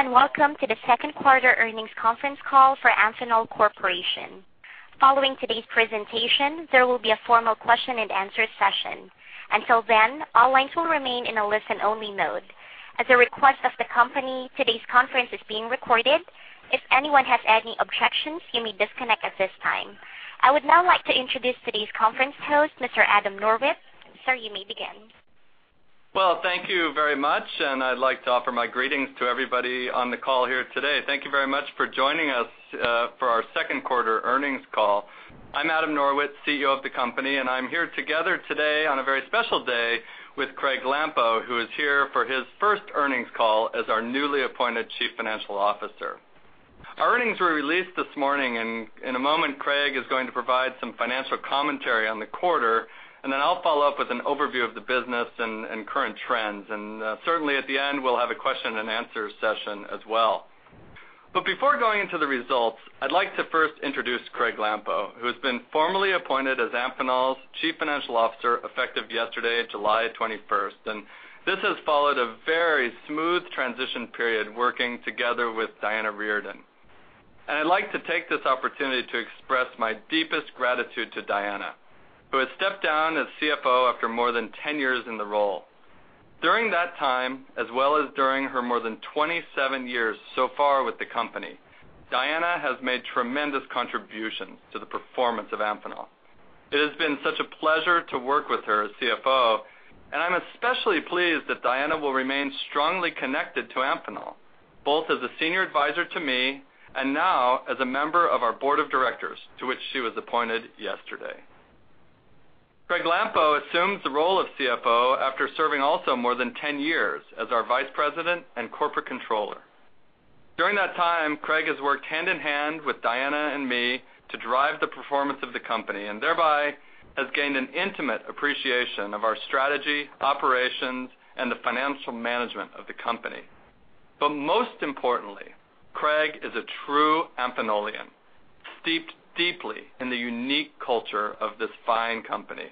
Hello, and welcome to the second quarter earnings conference call for Amphenol Corporation. Following today's presentation, there will be a formal question-and-answer session. Until then, all lines will remain in a listen-only mode. At the request of the company, today's conference is being recorded. If anyone has any objections, you may disconnect at this time. I would now like to introduce today's conference host, Mr. Adam Norwitt. Sir, you may begin. Well, thank you very much, and I'd like to offer my greetings to everybody on the call here today. Thank you very much for joining us for our second quarter earnings call. I'm Adam Norwitt, CEO of the company, and I'm here together today on a very special day with Craig Lampo, who is here for his first earnings call as our newly appointed Chief Financial Officer. Our earnings were released this morning, and in a moment, Craig is going to provide some financial commentary on the quarter, and then I'll follow up with an overview of the business and current trends. Certainly, at the end, we'll have a question-and-answer session as well. But before going into the results, I'd like to first introduce Craig Lampo, who has been formally appointed as Amphenol's Chief Financial Officer, effective yesterday, July 21st. This has followed a very smooth transition period, working together with Diana Reardon. I'd like to take this opportunity to express my deepest gratitude to Diana, who has stepped down as CFO after more than 10 years in the role. During that time, as well as during her more than 27 years so far with the company, Diana has made tremendous contributions to the performance of Amphenol. It has been such a pleasure to work with her as CFO, and I'm especially pleased that Diana will remain strongly connected to Amphenol, both as a senior advisor to me and now as a member of our board of directors, to which she was appointed yesterday. Craig Lampo assumes the role of CFO after serving also more than 10 years as our vice president and corporate controller. During that time, Craig has worked hand-in-hand with Diana and me to drive the performance of the company and thereby has gained an intimate appreciation of our strategy, operations, and the financial management of the company. But most importantly, Craig is a true Amphenolian, steeped deeply in the unique culture of this fine company.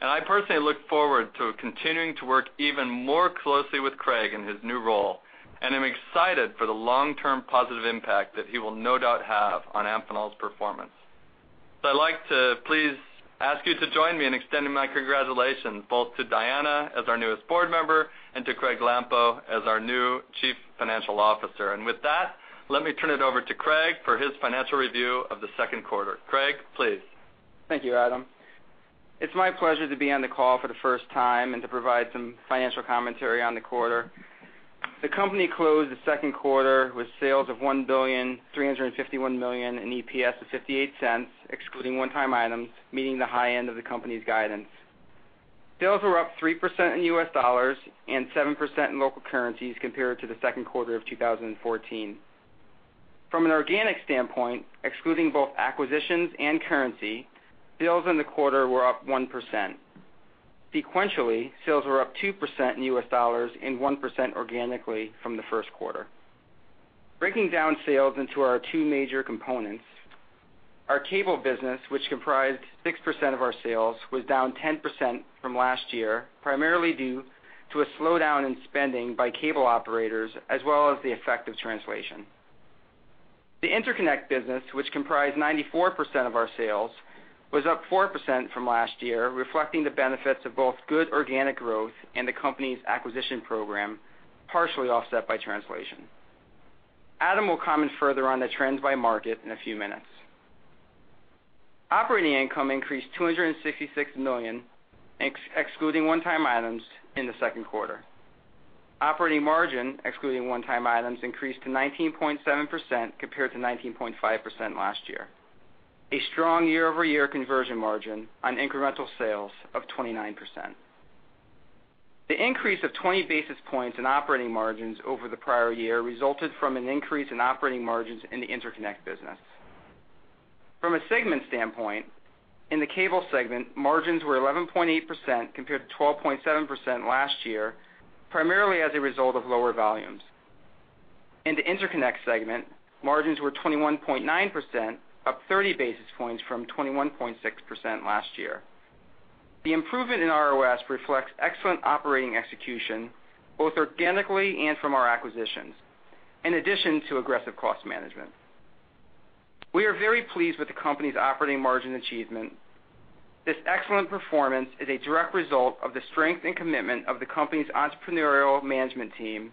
I personally look forward to continuing to work even more closely with Craig in his new role, and I'm excited for the long-term positive impact that he will no doubt have on Amphenol's performance. I'd like to please ask you to join me in extending my congratulations, both to Diana as our newest board member and to Craig Lampo as our new Chief Financial Officer. With that, let me turn it over to Craig for his financial review of the second quarter. Craig, please. Thank you, Adam. It's my pleasure to be on the call for the first time and to provide some financial commentary on the quarter. The company closed the second quarter with sales of $1,351,000,000, and EPS of $0.58, excluding one-time items, meeting the high end of the company's guidance. Sales were up 3% in U.S. dollars and 7% in local currencies compared to the second quarter of 2014. From an organic standpoint, excluding both acquisitions and currency, sales in the quarter were up 1%. Sequentially, sales were up 2% in U.S. dollars and 1% organically from the first quarter. Breaking down sales into our two major components, our cable business, which comprised 6% of our sales, was down 10% from last year, primarily due to a slowdown in spending by cable operators, as well as the effect of translation. The interconnect business, which comprised 94% of our sales, was up 4% from last year, reflecting the benefits of both good organic growth and the company's acquisition program, partially offset by translation. Adam will comment further on the trends by market in a few minutes. Operating income increased $266 million, excluding one-time items in the second quarter. Operating margin, excluding one-time items, increased to 19.7% compared to 19.5% last year, a strong year-over-year conversion margin on incremental sales of 29%. The increase of 20 basis points in operating margins over the prior year resulted from an increase in operating margins in the interconnect business. From a segment standpoint, in the cable segment, margins were 11.8% compared to 12.7% last year, primarily as a result of lower volumes. In the interconnect segment, margins were 21.9%, up 30 basis points from 21.6% last year. The improvement in ROS reflects excellent operating execution, both organically and from our acquisitions, in addition to aggressive cost management. We are very pleased with the company's operating margin achievement. This excellent performance is a direct result of the strength and commitment of the company's entrepreneurial management team,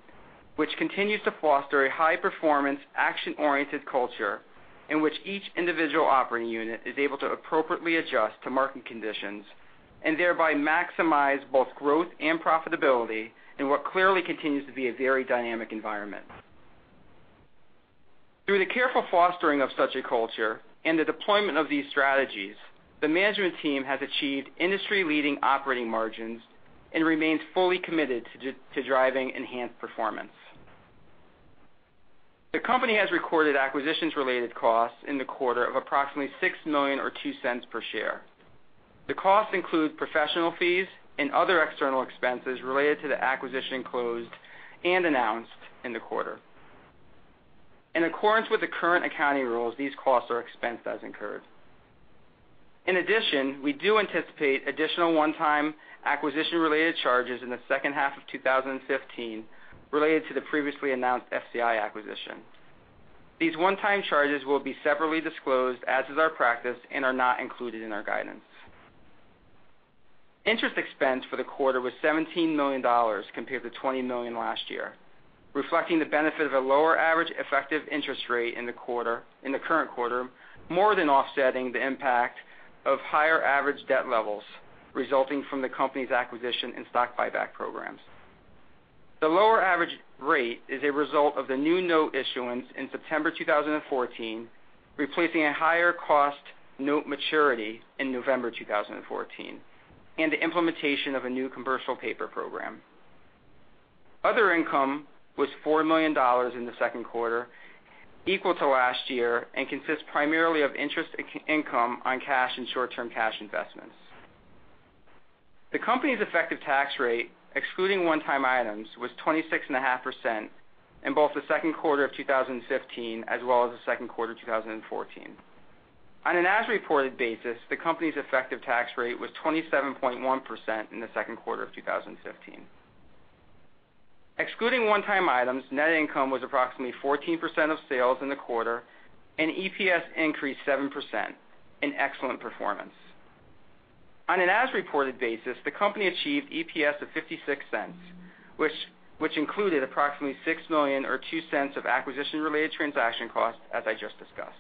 which continues to foster a high-performance, action-oriented culture in which each individual operating unit is able to appropriately adjust to market conditions and thereby maximize both growth and profitability in what clearly continues to be a very dynamic environment. Through the careful fostering of such a culture and the deployment of these strategies, the management team has achieved industry-leading operating margins and remains fully committed to driving enhanced performance. The company has recorded acquisitions-related costs in the quarter of approximately $6 million or $0.02 per share. The costs include professional fees and other external expenses related to the acquisition closed and announced in the quarter. In accordance with the current accounting rules, these costs are expensed as incurred. In addition, we do anticipate additional one-time acquisition-related charges in the second half of 2015, related to the previously announced FCI acquisition. These one-time charges will be separately disclosed, as is our practice, and are not included in our guidance. Interest expense for the quarter was $17 million compared to $20 million last year, reflecting the benefit of a lower average effective interest rate in the quarter, in the current quarter, more than offsetting the impact of higher average debt levels resulting from the company's acquisition and stock buyback programs. The lower average rate is a result of the new note issuance in September 2014, replacing a higher cost note maturity in November 2014, and the implementation of a new commercial paper program. Other income was $4 million in the second quarter, equal to last year, and consists primarily of interest income on cash and short-term cash investments. The company's effective tax rate, excluding one-time items, was 26.5% in both the second quarter of 2015, as well as the second quarter of 2014. On an as-reported basis, the company's effective tax rate was 27.1% in the second quarter of 2015. Excluding one-time items, net income was approximately 14% of sales in the quarter, and EPS increased 7%, an excellent performance. On an as-reported basis, the company achieved EPS of $0.56, which included approximately $6 million or $0.02 of acquisition-related transaction costs, as I just discussed.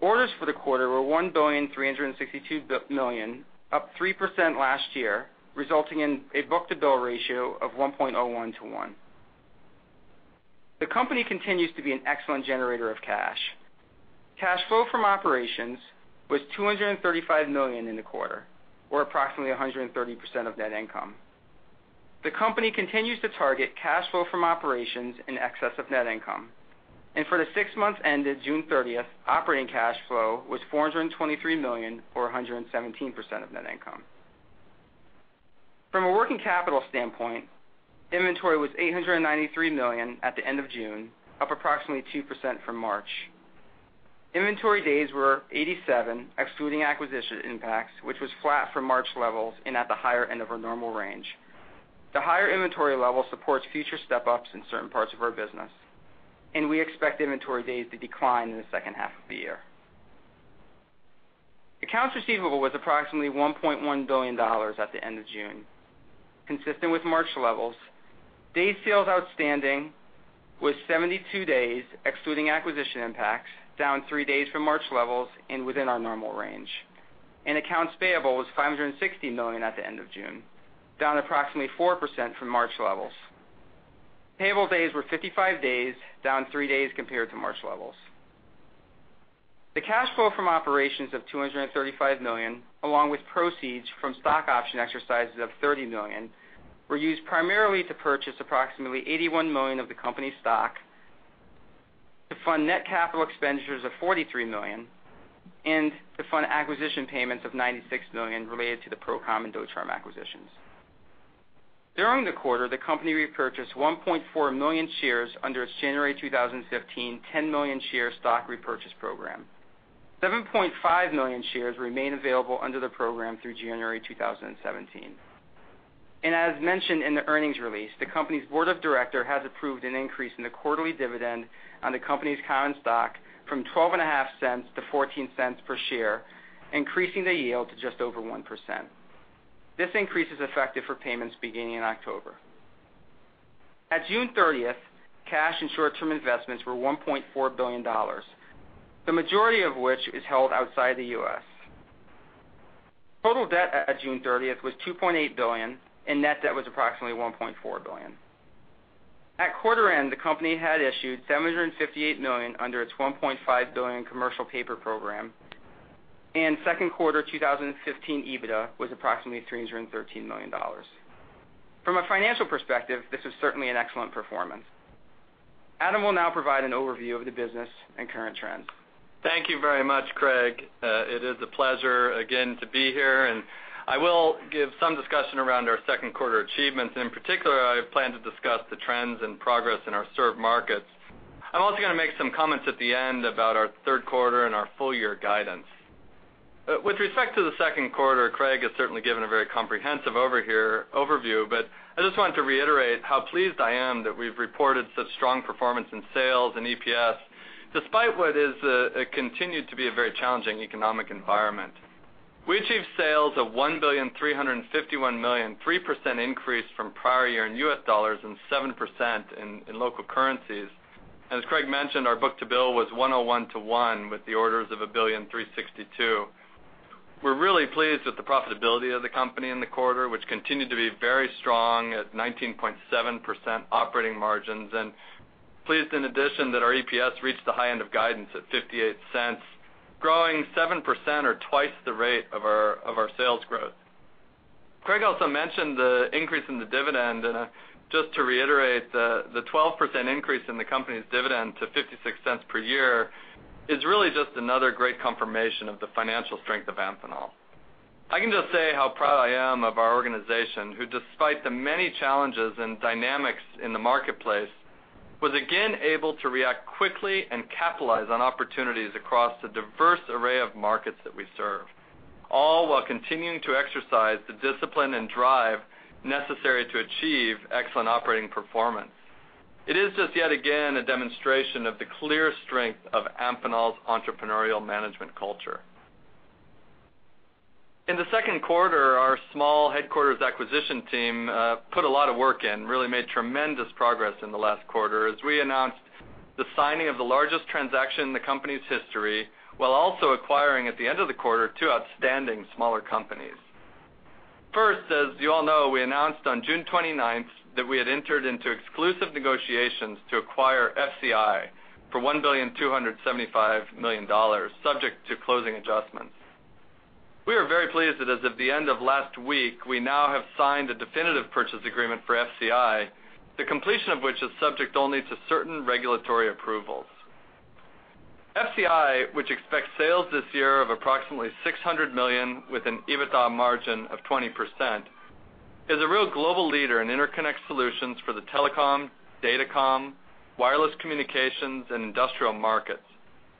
Orders for the quarter were $1,362,000,000 up 3% last year, resulting in a book-to-bill ratio of 1.01 to 1. The company continues to be an excellent generator of cash. Cash flow from operations was $235 million in the quarter, or approximately 130% of net income. The company continues to target cash flow from operations in excess of net income, and for the six months ended June 30th, operating cash flow was $423 million, or 117% of net income. From a working capital standpoint, inventory was $893 million at the end of June, up approximately 2% from March. Inventory days were 87, excluding acquisition impacts, which was flat from March levels and at the higher end of our normal range. The higher inventory level supports future step-ups in certain parts of our business, and we expect inventory days to decline in the second half of the year. Accounts receivable was approximately $1.1 billion at the end of June, consistent with March levels. Day sales outstanding was 72 days, excluding acquisition impacts, down 3 days from March levels and within our normal range. Accounts payable was $560 million at the end of June, down approximately 4% from March levels. Payable days were 55 days, down 3 days compared to March levels. The cash flow from operations of $235 million, along with proceeds from stock option exercises of $30 million, were used primarily to purchase approximately $81 million of the company's stock, to fund net capital expenditures of $43 million, and to fund acquisition payments of $96 million related to the Procom and Docharm acquisitions. During the quarter, the company repurchased 1.4 million shares under its January 2015 10 million share stock repurchase program. 7.5 million shares remain available under the program through January 2017. And as mentioned in the earnings release, the company's board of directors has approved an increase in the quarterly dividend on the company's common stock from $0.125 to $0.14 per share, increasing the yield to just over 1%. This increase is effective for payments beginning in October. At June 30th, cash and short-term investments were $1.4 billion, the majority of which is held outside the U.S. Total debt at June 30th was $2.8 billion, and net debt was approximately $1.4 billion. At quarter end, the company had issued $758 million under its $1.5 billion commercial paper program, and second quarter 2015 EBITDA was approximately $313 million. From a financial perspective, this is certainly an excellent performance. Adam will now provide an overview of the business and current trends. Thank you very much, Craig. It is a pleasure again to be here, and I will give some discussion around our second quarter achievements. In particular, I plan to discuss the trends and progress in our served markets. I'm also gonna make some comments at the end about our third quarter and our full-year guidance. With respect to the second quarter, Craig has certainly given a very comprehensive overview, but I just wanted to reiterate how pleased I am that we've reported such strong performance in sales and EPS, despite what is a continued to be a very challenging economic environment. We achieved sales of $1,351,000,000 3% increase from prior year in US dollars, and 7% in local currencies. As Craig mentioned, our book-to-bill was 1.01 to 1, with the orders of $1,362,000,000. We're really pleased with the profitability of the company in the quarter, which continued to be very strong at 19.7% operating margins, and pleased, in addition, that our EPS reached the high end of guidance at $0.58, growing 7% or twice the rate of our, of our sales growth. Craig also mentioned the increase in the dividend, and just to reiterate, the 12% increase in the company's dividend to $0.56 per year is really just another great confirmation of the financial strength of Amphenol. I can just say how proud I am of our organization, who, despite the many challenges and dynamics in the marketplace, was again able to react quickly and capitalize on opportunities across the diverse array of markets that we serve, all while continuing to exercise the discipline and drive necessary to achieve excellent operating performance. It is just yet again a demonstration of the clear strength of Amphenol's entrepreneurial management culture. In the second quarter, our small headquarters acquisition team put a lot of work in, really made tremendous progress in the last quarter as we announced the signing of the largest transaction in the company's history, while also acquiring, at the end of the quarter, two outstanding smaller companies. First, as you all know, we announced on June 29th that we had entered into exclusive negotiations to acquire FCI for $1,275000,000, subject to closing adjustments. We are very pleased that as of the end of last week, we now have signed a definitive purchase agreement for FCI, the completion of which is subject only to certain regulatory approvals. FCI, which expects sales this year of approximately $600 million, with an EBITDA margin of 20%, is a real global leader in interconnect solutions for the telecom, datacom, wireless communications, and industrial markets,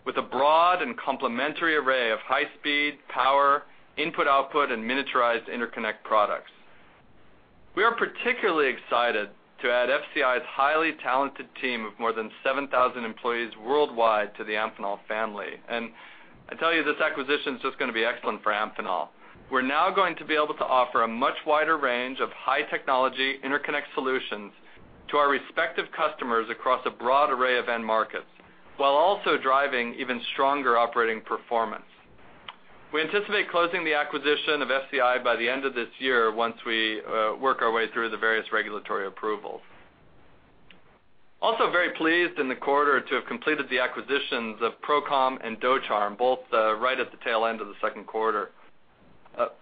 with a broad and complementary array of high-speed, power, input/output, and miniaturized interconnect products. We are particularly excited to add FCI's highly talented team of more than 7,000 employees worldwide to the Amphenol family, and I tell you, this acquisition is just gonna be excellent for Amphenol. We're now going to be able to offer a much wider range of high-technology interconnect solutions to our respective customers across a broad array of end markets, while also driving even stronger operating performance. We anticipate closing the acquisition of FCI by the end of this year once we work our way through the various regulatory approvals. Also very pleased in the quarter to have completed the acquisitions of Procom and Docharm, both right at the tail end of the second quarter.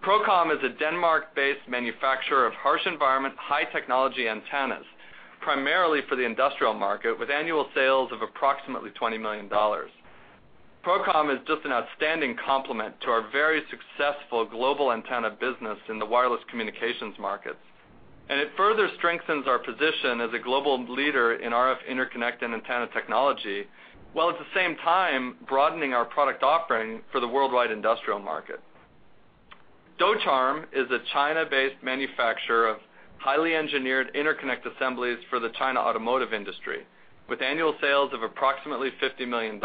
Procom is a Denmark-based manufacturer of harsh environment, high-technology antennas, primarily for the industrial market, with annual sales of approximately $20 million. Procom is just an outstanding complement to our very successful global antenna business in the wireless communications markets, and it further strengthens our position as a global leader in RF interconnect and antenna technology, while at the same time broadening our product offering for the worldwide industrial market. Docharm is a China-based manufacturer of highly engineered interconnect assemblies for the China automotive industry, with annual sales of approximately $50 million.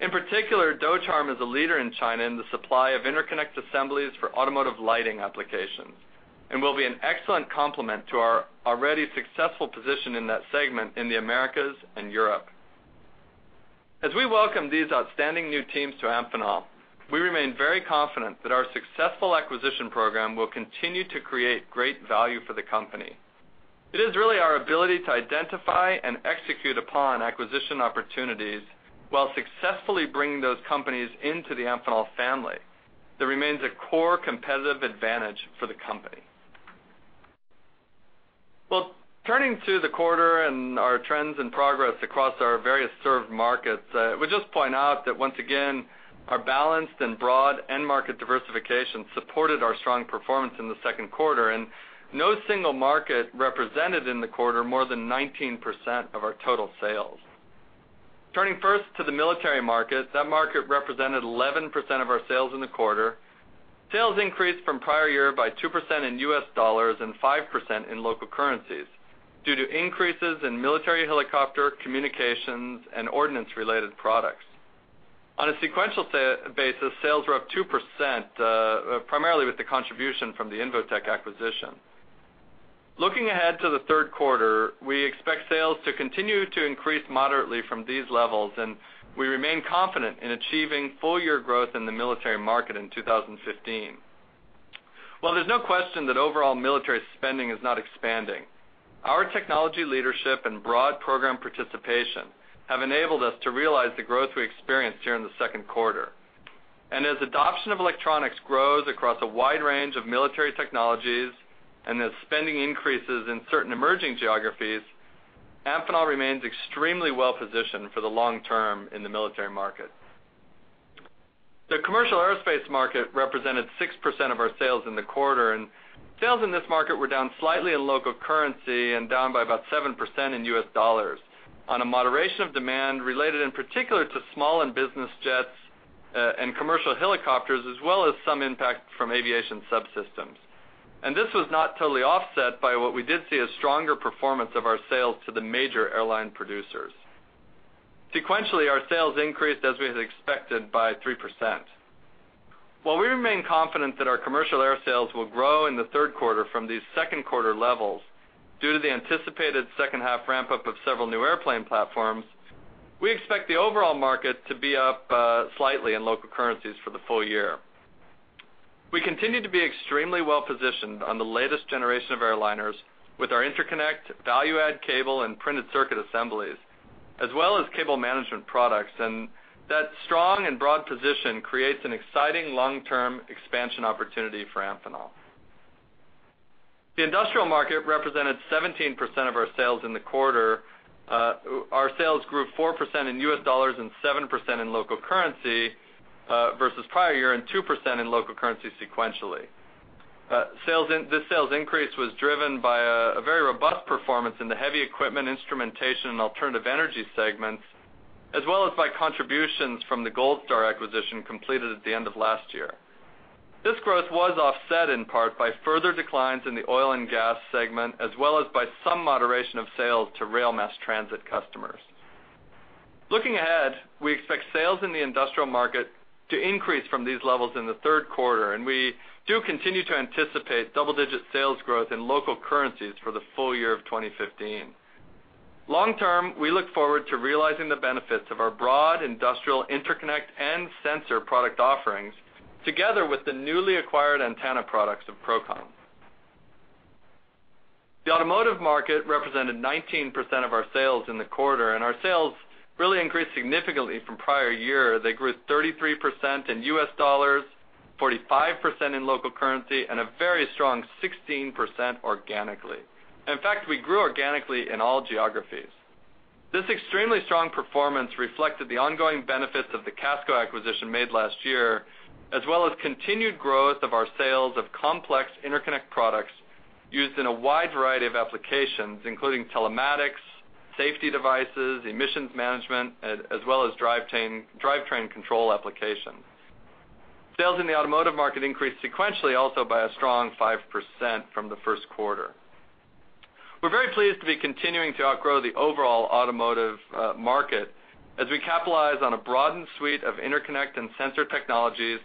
In particular, Docharm is a leader in China in the supply of interconnect assemblies for automotive lighting applications and will be an excellent complement to our already successful position in that segment in the Americas and Europe. As we welcome these outstanding new teams to Amphenol, we remain very confident that our successful acquisition program will continue to create great value for the company. It is really our ability to identify and execute upon acquisition opportunities while successfully bringing those companies into the Amphenol family, that remains a core competitive advantage for the company. Well, turning to the quarter and our trends and progress across our various served markets, I would just point out that once again, our balanced and broad end market diversification supported our strong performance in the second quarter, and no single market represented in the quarter more than 19% of our total sales. Turning first to the military market, that market represented 11% of our sales in the quarter. Sales increased from prior year by 2% in U.S. dollars and 5% in local currencies due to increases in military helicopter, communications, and ordinance-related products. On a sequential basis, sales were up 2%, primarily with the contribution from the Invotec acquisition. Looking ahead to the third quarter, we expect sales to continue to increase moderately from these levels, and we remain confident in achieving full-year growth in the military market in 2015. While there's no question that overall military spending is not expanding, our technology leadership and broad program participation have enabled us to realize the growth we experienced here in the second quarter. And as adoption of electronics grows across a wide range of military technologies and as spending increases in certain emerging geographies, Amphenol remains extremely well-positioned for the long term in the military market. The commercial aerospace market represented 6% of our sales in the quarter, and sales in this market were down slightly in local currency and down by about 7% in U.S. dollars on a moderation of demand related in particular to small and business jets, and commercial helicopters, as well as some impact from aviation subsystems. This was not totally offset by what we did see as stronger performance of our sales to the major airline producers. Sequentially, our sales increased, as we had expected, by 3%. While we remain confident that our commercial air sales will grow in the third quarter from these second quarter levels, due to the anticipated second half ramp-up of several new airplane platforms, we expect the overall market to be up, slightly in local currencies for the full year. We continue to be extremely well-positioned on the latest generation of airliners with our interconnect, value-add cable, and printed circuit assemblies, as well as cable management products, and that strong and broad position creates an exciting long-term expansion opportunity for Amphenol. The industrial market represented 17% of our sales in the quarter. Our sales grew 4% in U.S. dollars and 7% in local currency versus prior year, and 2% in local currency sequentially. This sales increase was driven by a very robust performance in the heavy equipment, instrumentation and alternative energy segments, as well as by contributions from the Goldstar acquisition completed at the end of last year. This growth was offset in part by further declines in the oil and gas segment, as well as by some moderation of sales to rail mass transit customers. Looking ahead, we expect sales in the industrial market to increase from these levels in the third quarter, and we do continue to anticipate double-digit sales growth in local currencies for the full year of 2015. Long-term, we look forward to realizing the benefits of our broad industrial interconnect and sensor product offerings, together with the newly acquired antenna products of Procom. The automotive market represented 19% of our sales in the quarter, and our sales really increased significantly from prior year. They grew 33% in U.S. dollars, 45% in local currency, and a very strong 16% organically. In fact, we grew organically in all geographies. This extremely strong performance reflected the ongoing benefits of the Casco acquisition made last year, as well as continued growth of our sales of complex interconnect products used in a wide variety of applications, including telematics, safety devices, emissions management, as well as drivetrain control applications. Sales in the automotive market increased sequentially also by a strong 5% from the first quarter. We're very pleased to be continuing to outgrow the overall automotive market as we capitalize on a broadened suite of interconnect and sensor technologies,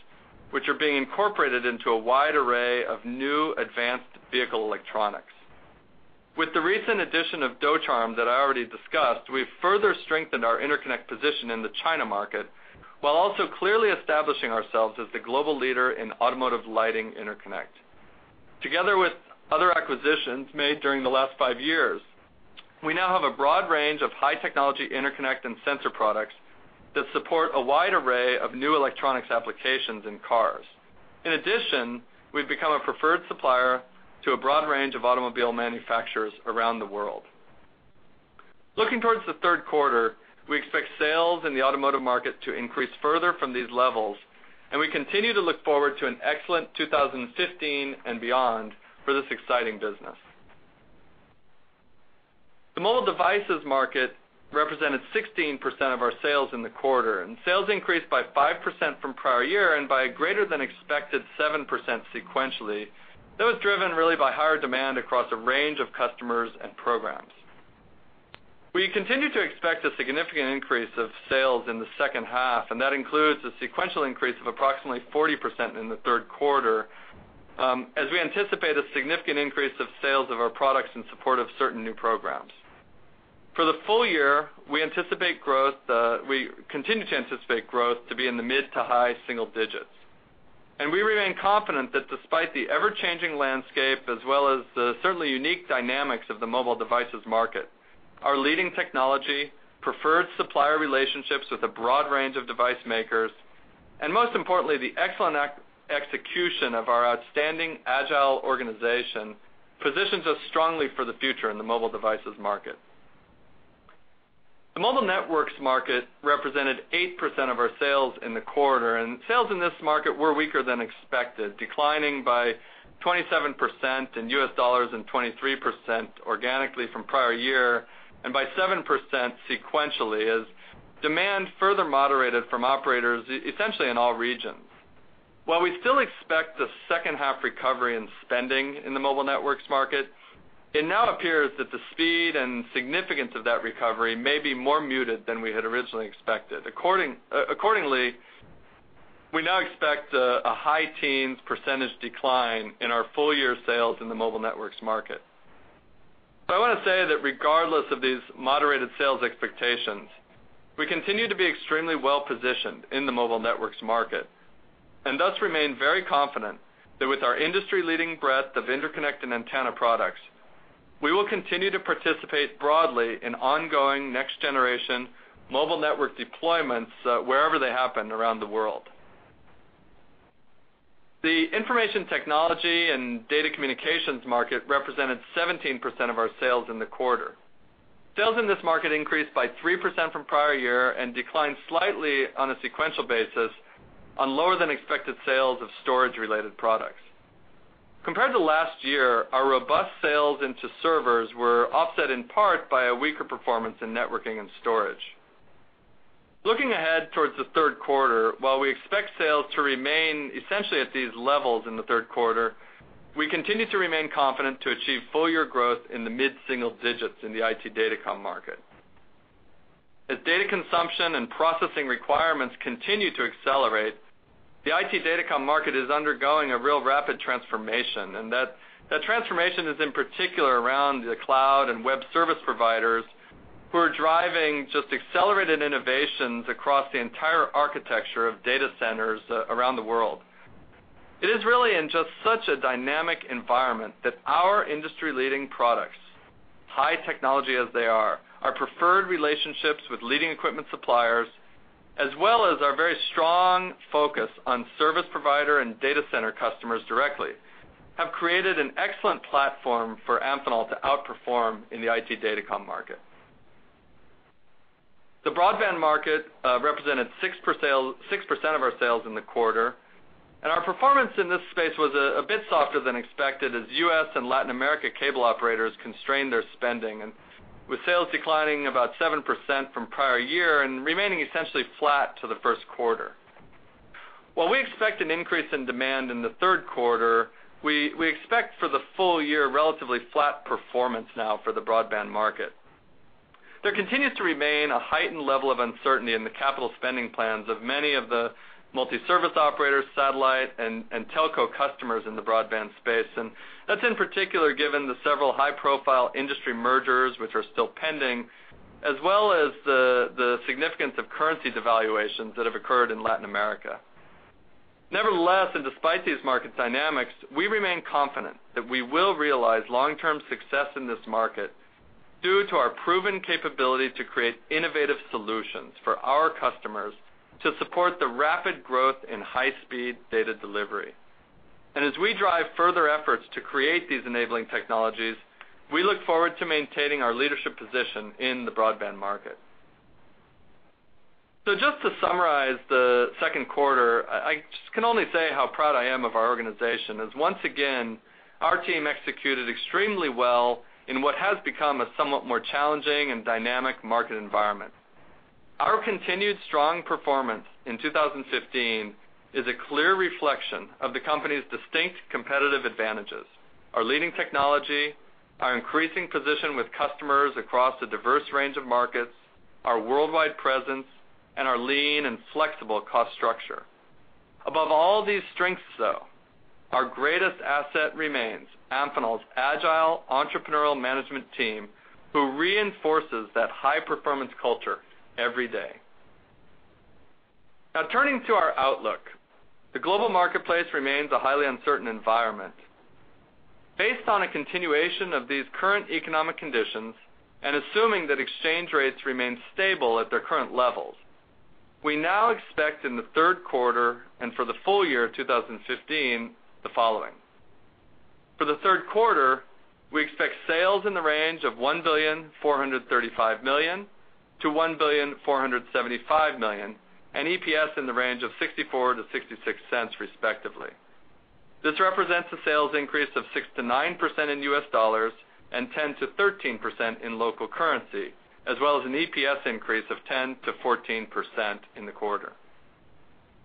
which are being incorporated into a wide array of new advanced vehicle electronics. With the recent addition of Docharm that I already discussed, we've further strengthened our interconnect position in the China market, while also clearly establishing ourselves as the global leader in automotive lighting interconnect. Together with other acquisitions made during the last 5 years, we now have a broad range of high-technology interconnect and sensor products that support a wide array of new electronics applications in cars. In addition, we've become a preferred supplier to a broad range of automobile manufacturers around the world. Looking towards the third quarter, we expect sales in the automotive market to increase further from these levels, and we continue to look forward to an excellent 2015 and beyond for this exciting business. The mobile devices market represented 16% of our sales in the quarter, and sales increased by 5% from prior year and by a greater than expected 7% sequentially. That was driven really by higher demand across a range of customers and programs. We continue to expect a significant increase of sales in the second half, and that includes a sequential increase of approximately 40% in the third quarter, as we anticipate a significant increase of sales of our products in support of certain new programs. For the full year, we continue to anticipate growth to be in the mid- to high-single digits. And we remain confident that despite the ever-changing landscape, as well as the certainly unique dynamics of the mobile devices market, our leading technology, preferred supplier relationships with a broad range of device makers, and most importantly, the excellent execution of our outstanding agile organization, positions us strongly for the future in the mobile devices market. The mobile networks market represented 8% of our sales in the quarter, and sales in this market were weaker than expected, declining by 27% in US dollars and 23% organically from prior year and by 7% sequentially, as demand further moderated from operators essentially in all regions. While we still expect a second half recovery in spending in the mobile networks market, it now appears that the speed and significance of that recovery may be more muted than we had originally expected. Accordingly, we now expect a high teens percentage decline in our full-year sales in the mobile networks market. So I wanna say that regardless of these moderated sales expectations, we continue to be extremely well-positioned in the mobile networks market, and thus remain very confident that with our industry-leading breadth of interconnect and antenna products, we will continue to participate broadly in ongoing next-generation mobile network deployments, wherever they happen around the world. The information technology and data communications market represented 17% of our sales in the quarter. Sales in this market increased by 3% from prior year and declined slightly on a sequential basis on lower than expected sales of storage-related products. Compared to last year, our robust sales into servers were offset in part by a weaker performance in networking and storage. Looking ahead towards the third quarter, while we expect sales to remain essentially at these levels in the third quarter, we continue to remain confident to achieve full-year growth in the mid-single digits in the IT datacom market. As data consumption and processing requirements continue to accelerate, the IT datacom market is undergoing a real rapid transformation, and that transformation is in particular around the cloud and web service providers who are driving just accelerated innovations across the entire architecture of data centers around the world. It is really in just such a dynamic environment that our industry-leading products, high technology as they are, our preferred relationships with leading equipment suppliers, as well as our very strong focus on service provider and data center customers directly, have created an excellent platform for Amphenol to outperform in the IT datacom market. The broadband market represented 6% of our sales in the quarter, and our performance in this space was a bit softer than expected, as U.S. and Latin America cable operators constrained their spending, and with sales declining about 7% from prior year and remaining essentially flat to the first quarter. While we expect an increase in demand in the third quarter, we expect for the full year, relatively flat performance now for the broadband market. There continues to remain a heightened level of uncertainty in the capital spending plans of many of the multi-service operators, satellite and telco customers in the broadband space. That's in particular, given the several high-profile industry mergers, which are still pending, as well as the significance of currency devaluations that have occurred in Latin America. Nevertheless, and despite these market dynamics, we remain confident that we will realize long-term success in this market due to our proven capability to create innovative solutions for our customers to support the rapid growth in high-speed data delivery. And as we drive further efforts to create these enabling technologies, we look forward to maintaining our leadership position in the broadband market. So just to summarize the second quarter, I, I just can only say how proud I am of our organization, as once again, our team executed extremely well in what has become a somewhat more challenging and dynamic market environment. Our continued strong performance in 2015 is a clear reflection of the company's distinct competitive advantages, our leading technology, our increasing position with customers across a diverse range of markets, our worldwide presence, and our lean and flexible cost structure. Above all these strengths, though, our greatest asset remains Amphenol's agile, entrepreneurial management team, who reinforces that high-performance culture every day. Now, turning to our outlook, the global marketplace remains a highly uncertain environment. Based on a continuation of these current economic conditions, and assuming that exchange rates remain stable at their current levels, we now expect in the third quarter and for the full year of 2015, the following: For the third quarter, we expect sales in the range of $1,435,000,000-$1,475,000,000, and EPS in the range of $0.64-$0.66, respectively. This represents a sales increase of 6%-9% in US dollars and 10%-13% in local currency, as well as an EPS increase of 10%-14% in the quarter.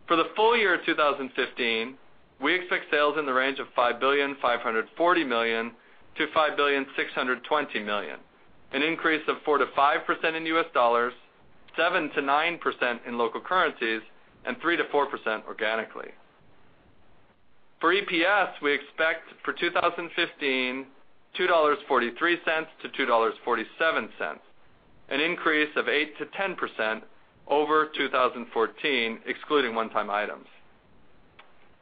For the full year of 2015, we expect sales in the range of $5,540,000,000-$5,620,000,000, an increase of 4%-5% in US dollars, 7%-9% in local currencies, and 3%-4% organically. For EPS, we expect for 2015, $2.43-$2.47, an increase of 8%-10% over 2014, excluding one-time items.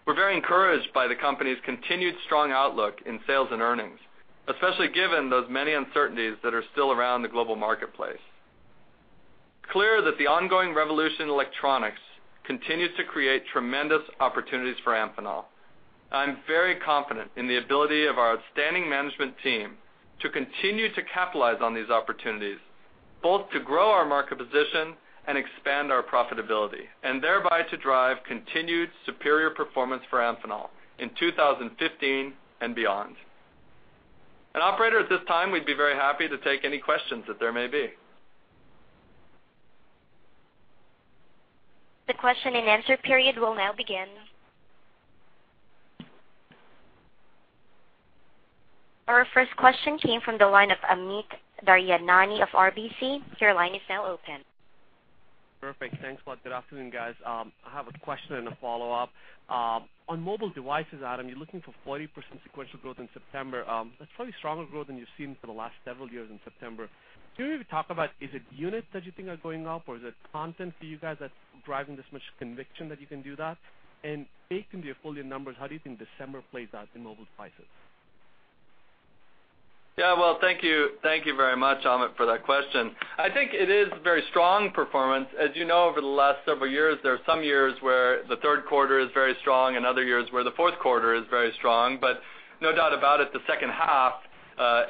We're very encouraged by the company's continued strong outlook in sales and earnings, especially given those many uncertainties that are still around the global marketplace. Clear that the ongoing revolution in electronics continues to create tremendous opportunities for Amphenol. I'm very confident in the ability of our outstanding management team to continue to capitalize on these opportunities, both to grow our market position and expand our profitability, and thereby to drive continued superior performance for Amphenol in 2015 and beyond. And operator, at this time, we'd be very happy to take any questions that there may be. The question-and-answer period will now begin. Our first question came from the line of Amit Daryanani of RBC. Your line is now open. Perfect. Thanks a lot. Good afternoon, guys. I have a question and a follow-up. On mobile devices, Adam, you're looking for 40% sequential growth in September. That's probably stronger growth than you've seen for the last several years in September. Can you talk about, is it units that you think are going up, or is it content for you guys that's driving this much conviction that you can do that? And based on your full year numbers, how do you think December plays out in mobile devices? Yeah, well, thank you. Thank you very much, Amit, for that question. I think it is very strong performance. As you know, over the last several years, there are some years where the third quarter is very strong and other years where the fourth quarter is very strong. But no doubt about it, the second half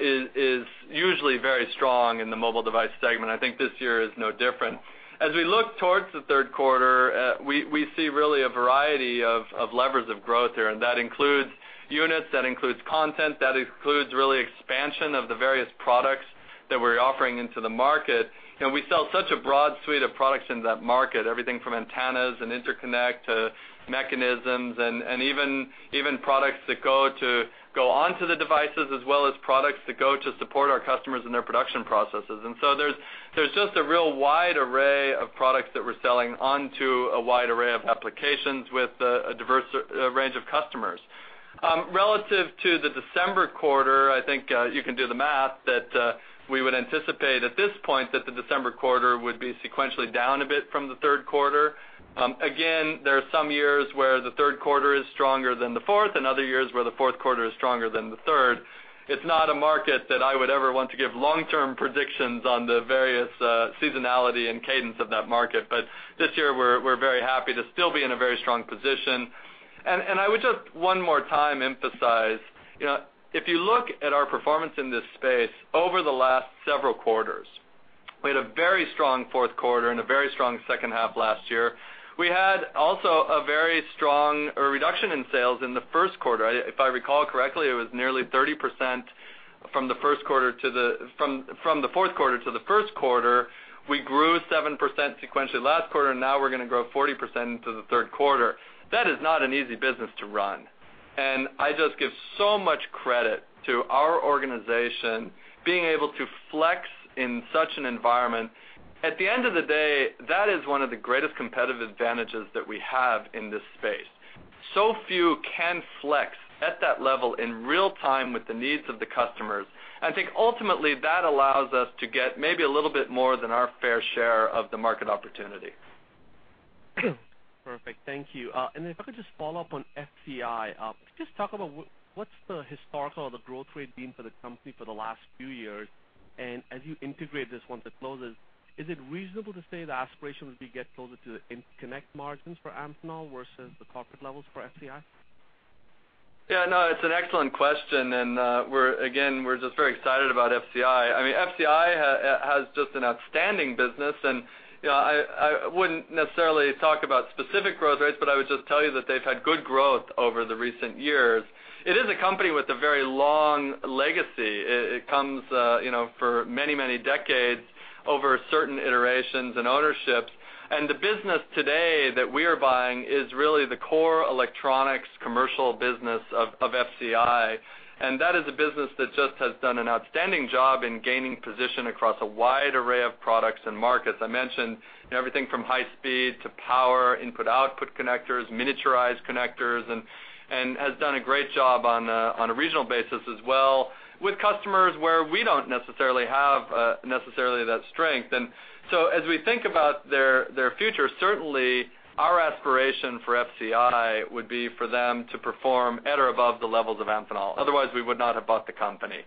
is usually very strong in the mobile device segment. I think this year is no different. As we look towards the third quarter, we see really a variety of levers of growth here, and that includes units, that includes content, that includes really expansion of the various products that we're offering into the market. You know, we sell such a broad suite of products in that market, everything from antennas and interconnect to mechanisms and even products that go onto the devices, as well as products that go to support our customers in their production processes. So there's just a real wide array of products that we're selling onto a wide array of applications with a diverse range of customers. Relative to the December quarter, I think you can do the math that we would anticipate at this point that the December quarter would be sequentially down a bit from the third quarter... Again, there are some years where the third quarter is stronger than the fourth and other years where the fourth quarter is stronger than the third. It's not a market that I would ever want to give long-term predictions on the various seasonality and cadence of that market. But this year, we're very happy to still be in a very strong position. And I would just one more time emphasize, you know, if you look at our performance in this space over the last several quarters, we had a very strong fourth quarter and a very strong second half last year. We had also a very strong reduction in sales in the first quarter. If I recall correctly, it was nearly 30% from the fourth quarter to the first quarter. We grew 7% sequentially last quarter, and now we're gonna grow 40% into the third quarter. That is not an easy business to run. I just give so much credit to our organization being able to flex in such an environment. At the end of the day, that is one of the greatest competitive advantages that we have in this space. So few can flex at that level in real time with the needs of the customers. I think ultimately, that allows us to get maybe a little bit more than our fair share of the market opportunity. Perfect. Thank you. And then if I could just follow up on FCI. Just talk about what's the historical growth rate been for the company for the last few years? And as you integrate this once it closes, is it reasonable to say the aspiration would be get closer to the interconnect margins for Amphenol versus the corporate levels for FCI? Yeah, no, it's an excellent question, and we're again, we're just very excited about FCI. I mean, FCI has just an outstanding business, and, you know, I, I wouldn't necessarily talk about specific growth rates, but I would just tell you that they've had good growth over the recent years. It is a company with a very long legacy. It, it comes, you know, for many, many decades over certain iterations and ownerships. And the business today that we are buying is really the core electronics commercial business of, of FCI. And that is a business that just has done an outstanding job in gaining position across a wide array of products and markets. I mentioned, you know, everything from high speed to power, input, output connectors, miniaturized connectors, and has done a great job on a regional basis as well, with customers where we don't necessarily have necessarily that strength. And so as we think about their future, certainly our aspiration for FCI would be for them to perform at or above the levels of Amphenol. Otherwise, we would not have bought the company.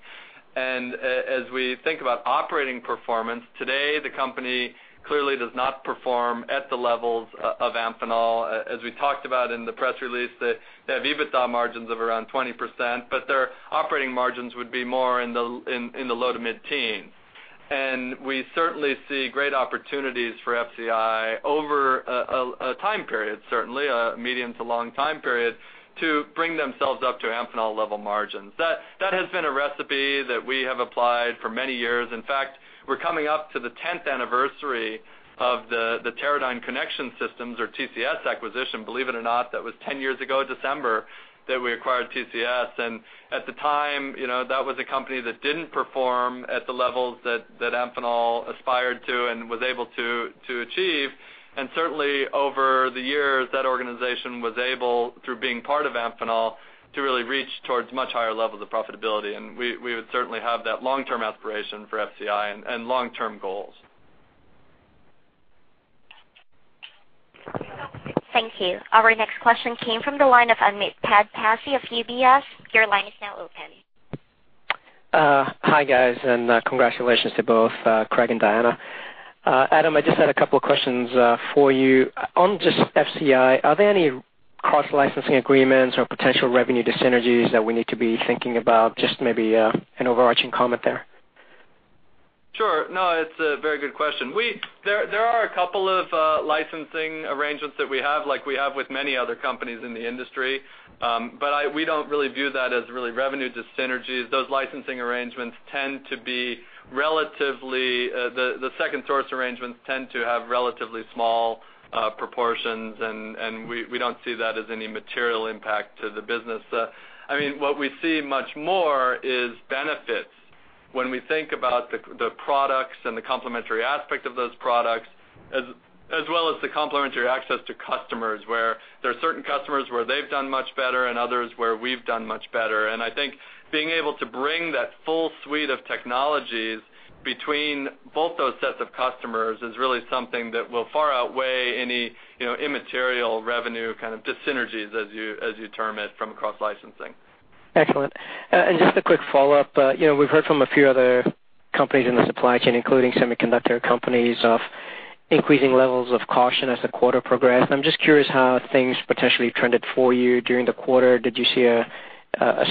And as we think about operating performance, today, the company clearly does not perform at the levels of Amphenol. As we talked about in the press release, they have EBITDA margins of around 20%, but their operating margins would be more in the low- to mid-teens. We certainly see great opportunities for FCI over a time period, certainly, a medium to long time period, to bring themselves up to Amphenol level margins. That has been a recipe that we have applied for many years. In fact, we're coming up to the 10th anniversary of the Teradyne Connection Systems, or TCS, acquisition. Believe it or not, that was 10 years ago, December, that we acquired TCS. And at the time, you know, that was a company that didn't perform at the levels that Amphenol aspired to and was able to achieve. And certainly, over the years, that organization was able, through being part of Amphenol, to really reach towards much higher levels of profitability. And we would certainly have that long-term aspiration for FCI and long-term goals. Thank you. Our next question came from the line of Amitabh Passi of UBS. Your line is now open. Hi, guys, and congratulations to both Craig and Diana. Adam, I just had a couple of questions for you. On just FCI, are there any cross-licensing agreements or potential revenue dys-synergies that we need to be thinking about? Just maybe an overarching comment there. Sure. No, it's a very good question. There are a couple of licensing arrangements that we have, like we have with many other companies in the industry. But we don't really view that as really revenue dis-synergies. Those licensing arrangements tend to be relatively, the second source arrangements tend to have relatively small proportions, and we don't see that as any material impact to the business. I mean, what we see much more is benefits when we think about the products and the complementary aspect of those products, as well as the complementary access to customers, where there are certain customers where they've done much better and others where we've done much better. I think being able to bring that full suite of technologies between both those sets of customers is really something that will far outweigh any, you know, immaterial revenue, kind of, dys-synergies, as you, as you term it, from cross-licensing. Excellent. And just a quick follow-up. You know, we've heard from a few other companies in the supply chain, including semiconductor companies, of increasing levels of caution as the quarter progressed. I'm just curious how things potentially trended for you during the quarter. Did you see a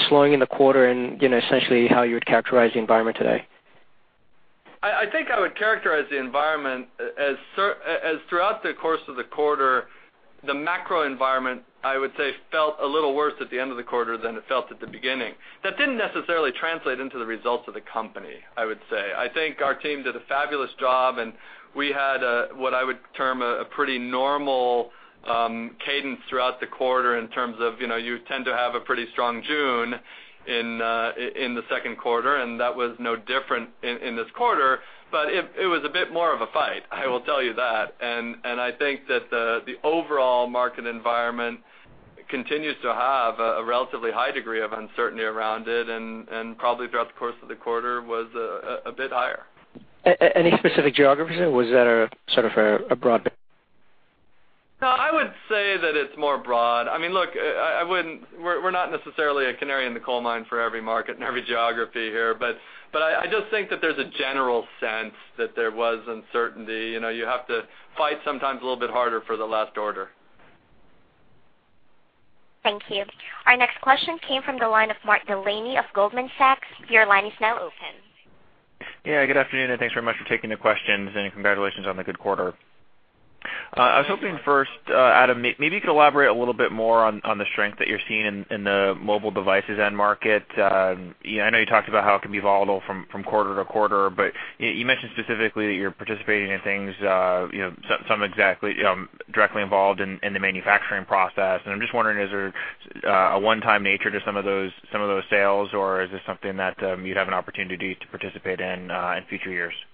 slowing in the quarter and, you know, essentially how you would characterize the environment today? I think I would characterize the environment as as throughout the course of the quarter, the macro environment, I would say, felt a little worse at the end of the quarter than it felt at the beginning. That didn't necessarily translate into the results of the company, I would say. I think our team did a fabulous job, and we had what I would term a pretty normal cadence throughout the quarter in terms of, you know, you tend to have a pretty strong June in the second quarter, and that was no different in this quarter. But it was a bit more of a fight, I will tell you that. And I think that the overall market environment continues to have a relatively high degree of uncertainty around it, and probably throughout the course of the quarter, was a bit higher.... Any specific geographies, or was that sort of a broad? No, I would say that it's more broad. I mean, look, I wouldn't. We're not necessarily a canary in the coal mine for every market and every geography here. But I just think that there's a general sense that there was uncertainty. You know, you have to fight sometimes a little bit harder for the last order. Thank you. Our next question came from the line of Mark Delaney of Goldman Sachs. Your line is now open. Yeah, good afternoon, and thanks very much for taking the questions, and congratulations on the good quarter. I was hoping first, Adam, maybe you could elaborate a little bit more on the strength that you're seeing in the mobile devices end market. You know, I know you talked about how it can be volatile from quarter to quarter, but you mentioned specifically that you're participating in things, you know, some exactly, directly involved in the manufacturing process. And I'm just wondering, is there a one-time nature to some of those, some of those sales, or is this something that you'd have an opportunity to participate in, in future years? Yeah,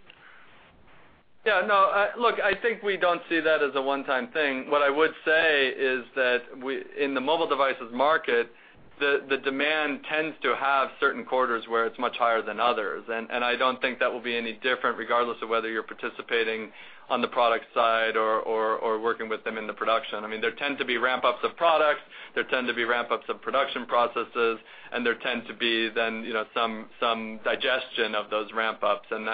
no, look, I think we don't see that as a one-time thing. What I would say is that we in the mobile devices market, the demand tends to have certain quarters where it's much higher than others. And I don't think that will be any different, regardless of whether you're participating on the product side or working with them in the production. I mean, there tend to be ramp-ups of products, there tend to be ramp-ups of production processes, and there tend to be then, you know, some digestion of those ramp-ups. And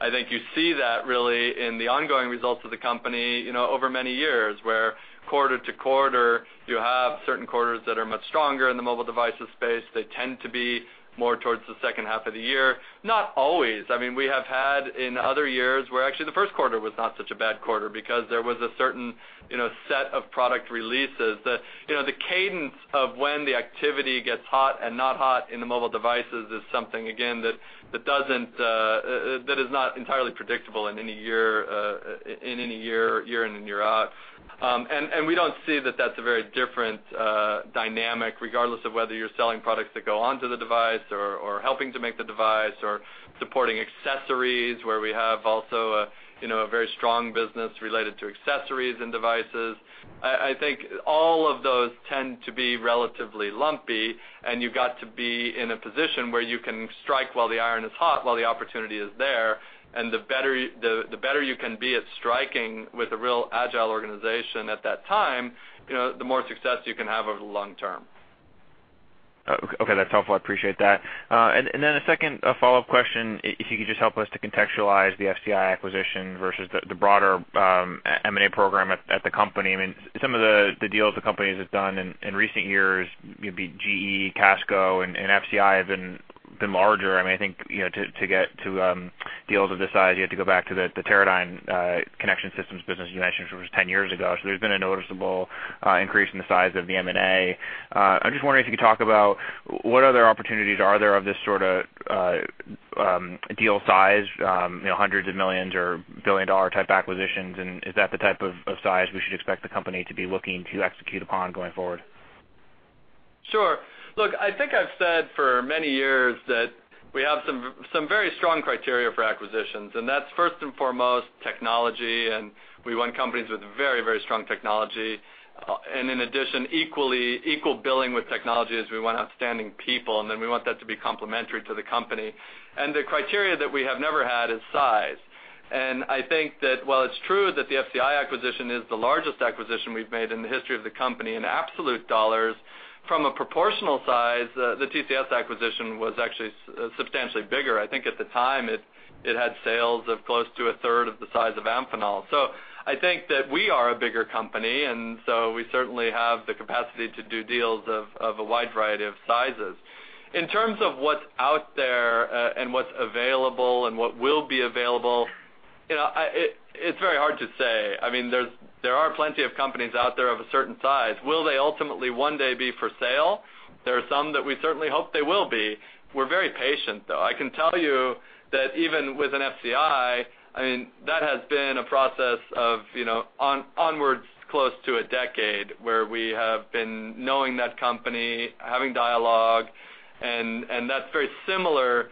I think you see that really in the ongoing results of the company, you know, over many years, where quarter-to-quarter, you have certain quarters that are much stronger in the mobile devices space. They tend to be more towards the second half of the year. Not always. I mean, we have had in other years, where actually the first quarter was not such a bad quarter because there was a certain, you know, set of product releases. The, you know, the cadence of when the activity gets hot and not hot in the mobile devices is something, again, that, that doesn't, that is not entirely predictable in any year, in, in any year, year in and year out. And, and we don't see that that's a very different, dynamic, regardless of whether you're selling products that go onto the device or, or helping to make the device or supporting accessories, where we have also a, you know, a very strong business related to accessories and devices. I think all of those tend to be relatively lumpy, and you've got to be in a position where you can strike while the iron is hot, while the opportunity is there, and the better you can be at striking with a real agile organization at that time, you know, the more success you can have over the long term. Okay, that's helpful. I appreciate that. And then a second, a follow-up question, if you could just help us to contextualize the FCI acquisition versus the broader M&A program at the company. I mean, some of the deals the companies have done in recent years, maybe GE, Casco and FCI have been larger. I mean, I think, you know, to get to deals of this size, you have to go back to the Teradyne Connection Systems business you mentioned, which was 10 years ago. So there's been a noticeable increase in the size of the M&A. I'm just wondering if you could talk about what other opportunities are there of this sort of deal size, you know, hundreds of millions or billion-dollar type acquisitions, and is that the type of, of size we should expect the company to be looking to execute upon going forward? Sure. Look, I think I've said for many years that we have some very strong criteria for acquisitions, and that's first and foremost, technology, and we want companies with very, very strong technology. And in addition, equally, equal billing with technology is we want outstanding people, and then we want that to be complementary to the company. And the criteria that we have never had is size. And I think that while it's true that the FCI acquisition is the largest acquisition we've made in the history of the company, in absolute dollars, from a proportional size, the TCS acquisition was actually substantially bigger. I think at the time, it had sales of close to a third of the size of Amphenol. So I think that we are a bigger company, and so we certainly have the capacity to do deals of a wide variety of sizes. In terms of what's out there, and what's available and what will be available, you know, it, it's very hard to say. I mean, there are plenty of companies out there of a certain size. Will they ultimately one day be for sale? There are some that we certainly hope they will be. We're very patient, though. I can tell you that even with an FCI, I mean, that has been a process of, you know, onwards, close to a decade, where we have been knowing that company, having dialogue, and that's very similar to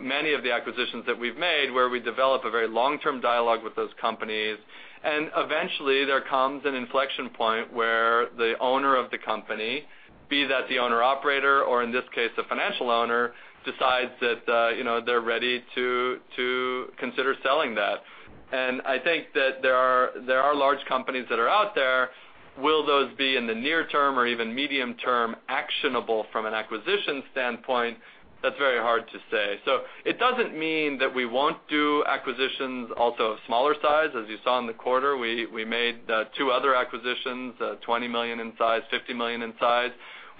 many of the acquisitions that we've made, where we develop a very long-term dialogue with those companies. And eventually, there comes an inflection point where the owner of the company, be that the owner-operator, or in this case, the financial owner, decides that, you know, they're ready to, to consider selling that. And I think that there are, there are large companies that are out there. Will those be in the near term or even medium term, actionable from an acquisition standpoint? That's very hard to say. So it doesn't mean that we won't do acquisitions also of smaller size. As you saw in the quarter, we, we made, two other acquisitions, $20 million in size, $50 million in size.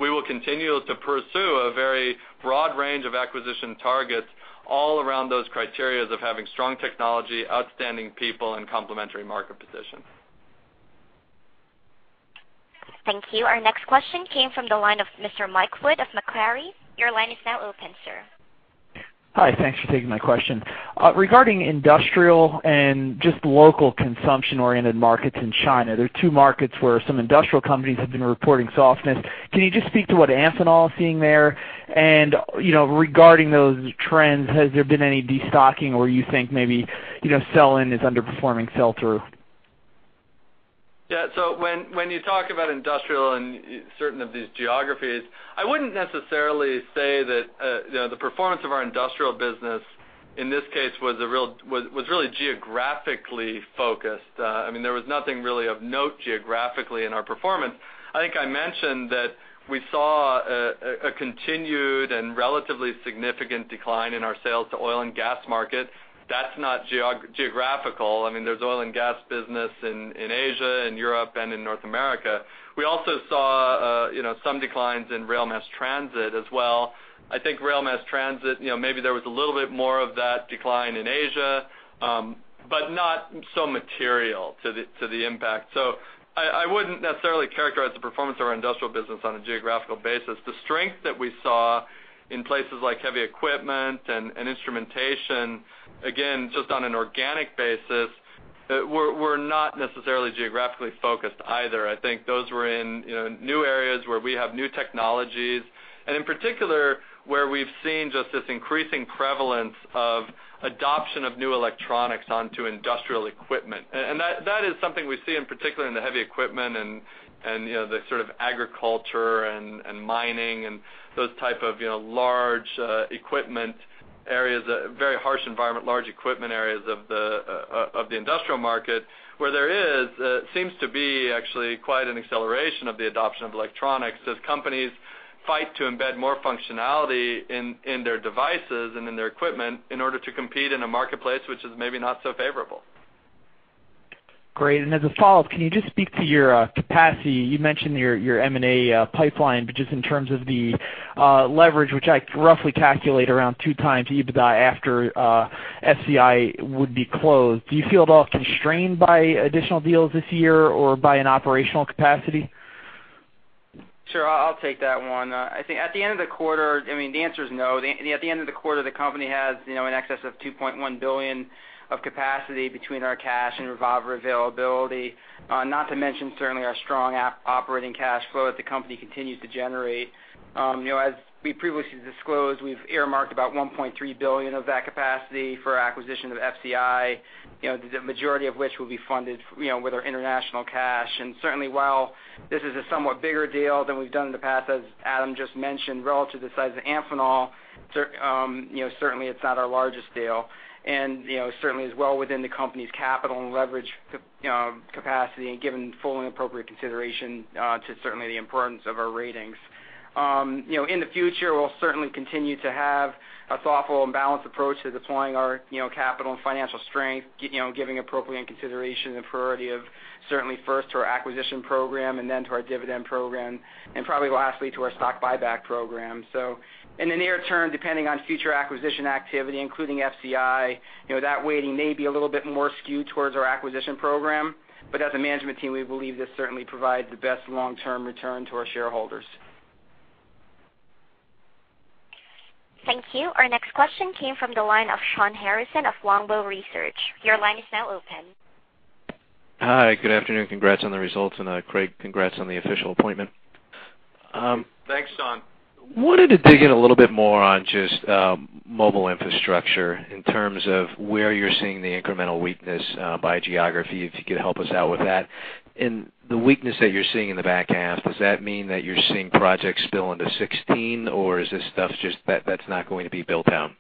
We will continue to pursue a very broad range of acquisition targets all around those criteria of having strong technology, outstanding people, and complementary market position. Thank you. Our next question came from the line of Mr. Mike Wood of Macquarie. Your line is now open, sir. Hi, thanks for taking my question. Regarding industrial and just local consumption-oriented markets in China, there are two markets where some industrial companies have been reporting softness. Can you just speak to what Amphenol is seeing there? And, you know, regarding those trends, has there been any destocking or you think maybe, you know, sell-in is underperforming sell-through?... Yeah, so when you talk about industrial and certain of these geographies, I wouldn't necessarily say that, you know, the performance of our industrial business in this case, was really geographically focused. I mean, there was nothing really of note geographically in our performance. I think I mentioned that we saw a continued and relatively significant decline in our sales to oil and gas market. That's not geographical. I mean, there's oil and gas business in Asia, and Europe, and in North America. We also saw, you know, some declines in rail mass transit as well. I think rail mass transit, you know, maybe there was a little bit more of that decline in Asia, but not so material to the impact. So I wouldn't necessarily characterize the performance of our industrial business on a geographical basis. The strength that we saw in places like heavy equipment and instrumentation, again, just on an organic basis, were not necessarily geographically focused either. I think those were in, you know, new areas where we have new technologies, and in particular, where we've seen just this increasing prevalence of adoption of new electronics onto industrial equipment. And that is something we see in particular in the heavy equipment and, you know, the sort of agriculture and mining and those type of, you know, large equipment areas, very harsh environment, large equipment areas of the industrial market, where there seems to be actually quite an acceleration of the adoption of electronics as companies fight to embed more functionality in their devices and in their equipment in order to compete in a marketplace which is maybe not so favorable. Great. As a follow-up, can you just speak to your capacity? You mentioned your M&A pipeline, but just in terms of the leverage, which I roughly calculate around 2x EBITDA after FCI would be closed. Do you feel at all constrained by additional deals this year or by an operational capacity? Sure, I'll take that one. I think at the end of the quarter, I mean, the answer is no. At the end of the quarter, the company has, you know, in excess of $2.1 billion of capacity between our cash and revolver availability, not to mention certainly our strong operating cash flow that the company continues to generate. You know, as we previously disclosed, we've earmarked about $1.3 billion of that capacity for acquisition of FCI, you know, the majority of which will be funded, you know, with our international cash. And certainly, while this is a somewhat bigger deal than we've done in the past, as Adam just mentioned, relative to the size of Amphenol, you know, certainly it's not our largest deal. You know, certainly is well within the company's capital and leverage, you know, capacity, and given full and appropriate consideration to certainly the importance of our ratings. You know, in the future, we'll certainly continue to have a thoughtful and balanced approach to deploying our, you know, capital and financial strength, you know, giving appropriate consideration and priority of certainly first to our acquisition program and then to our dividend program, and probably lastly, to our stock buyback program. So in the near term, depending on future acquisition activity, including FCI, you know, that weighting may be a little bit more skewed towards our acquisition program. But as a management team, we believe this certainly provides the best long-term return to our shareholders. Thank you. Our next question came from the line of Shawn Harrison of Longbow Research. Your line is now open. Hi, good afternoon. Congrats on the results, and, Craig, congrats on the official appointment. Thanks, Shawn. Wanted to dig in a little bit more on just mobile infrastructure in terms of where you're seeing the incremental weakness by geography, if you could help us out with that. The weakness that you're seeing in the back half, does that mean that you're seeing projects spill into 2016, or is this stuff just that, that's not going to be built out?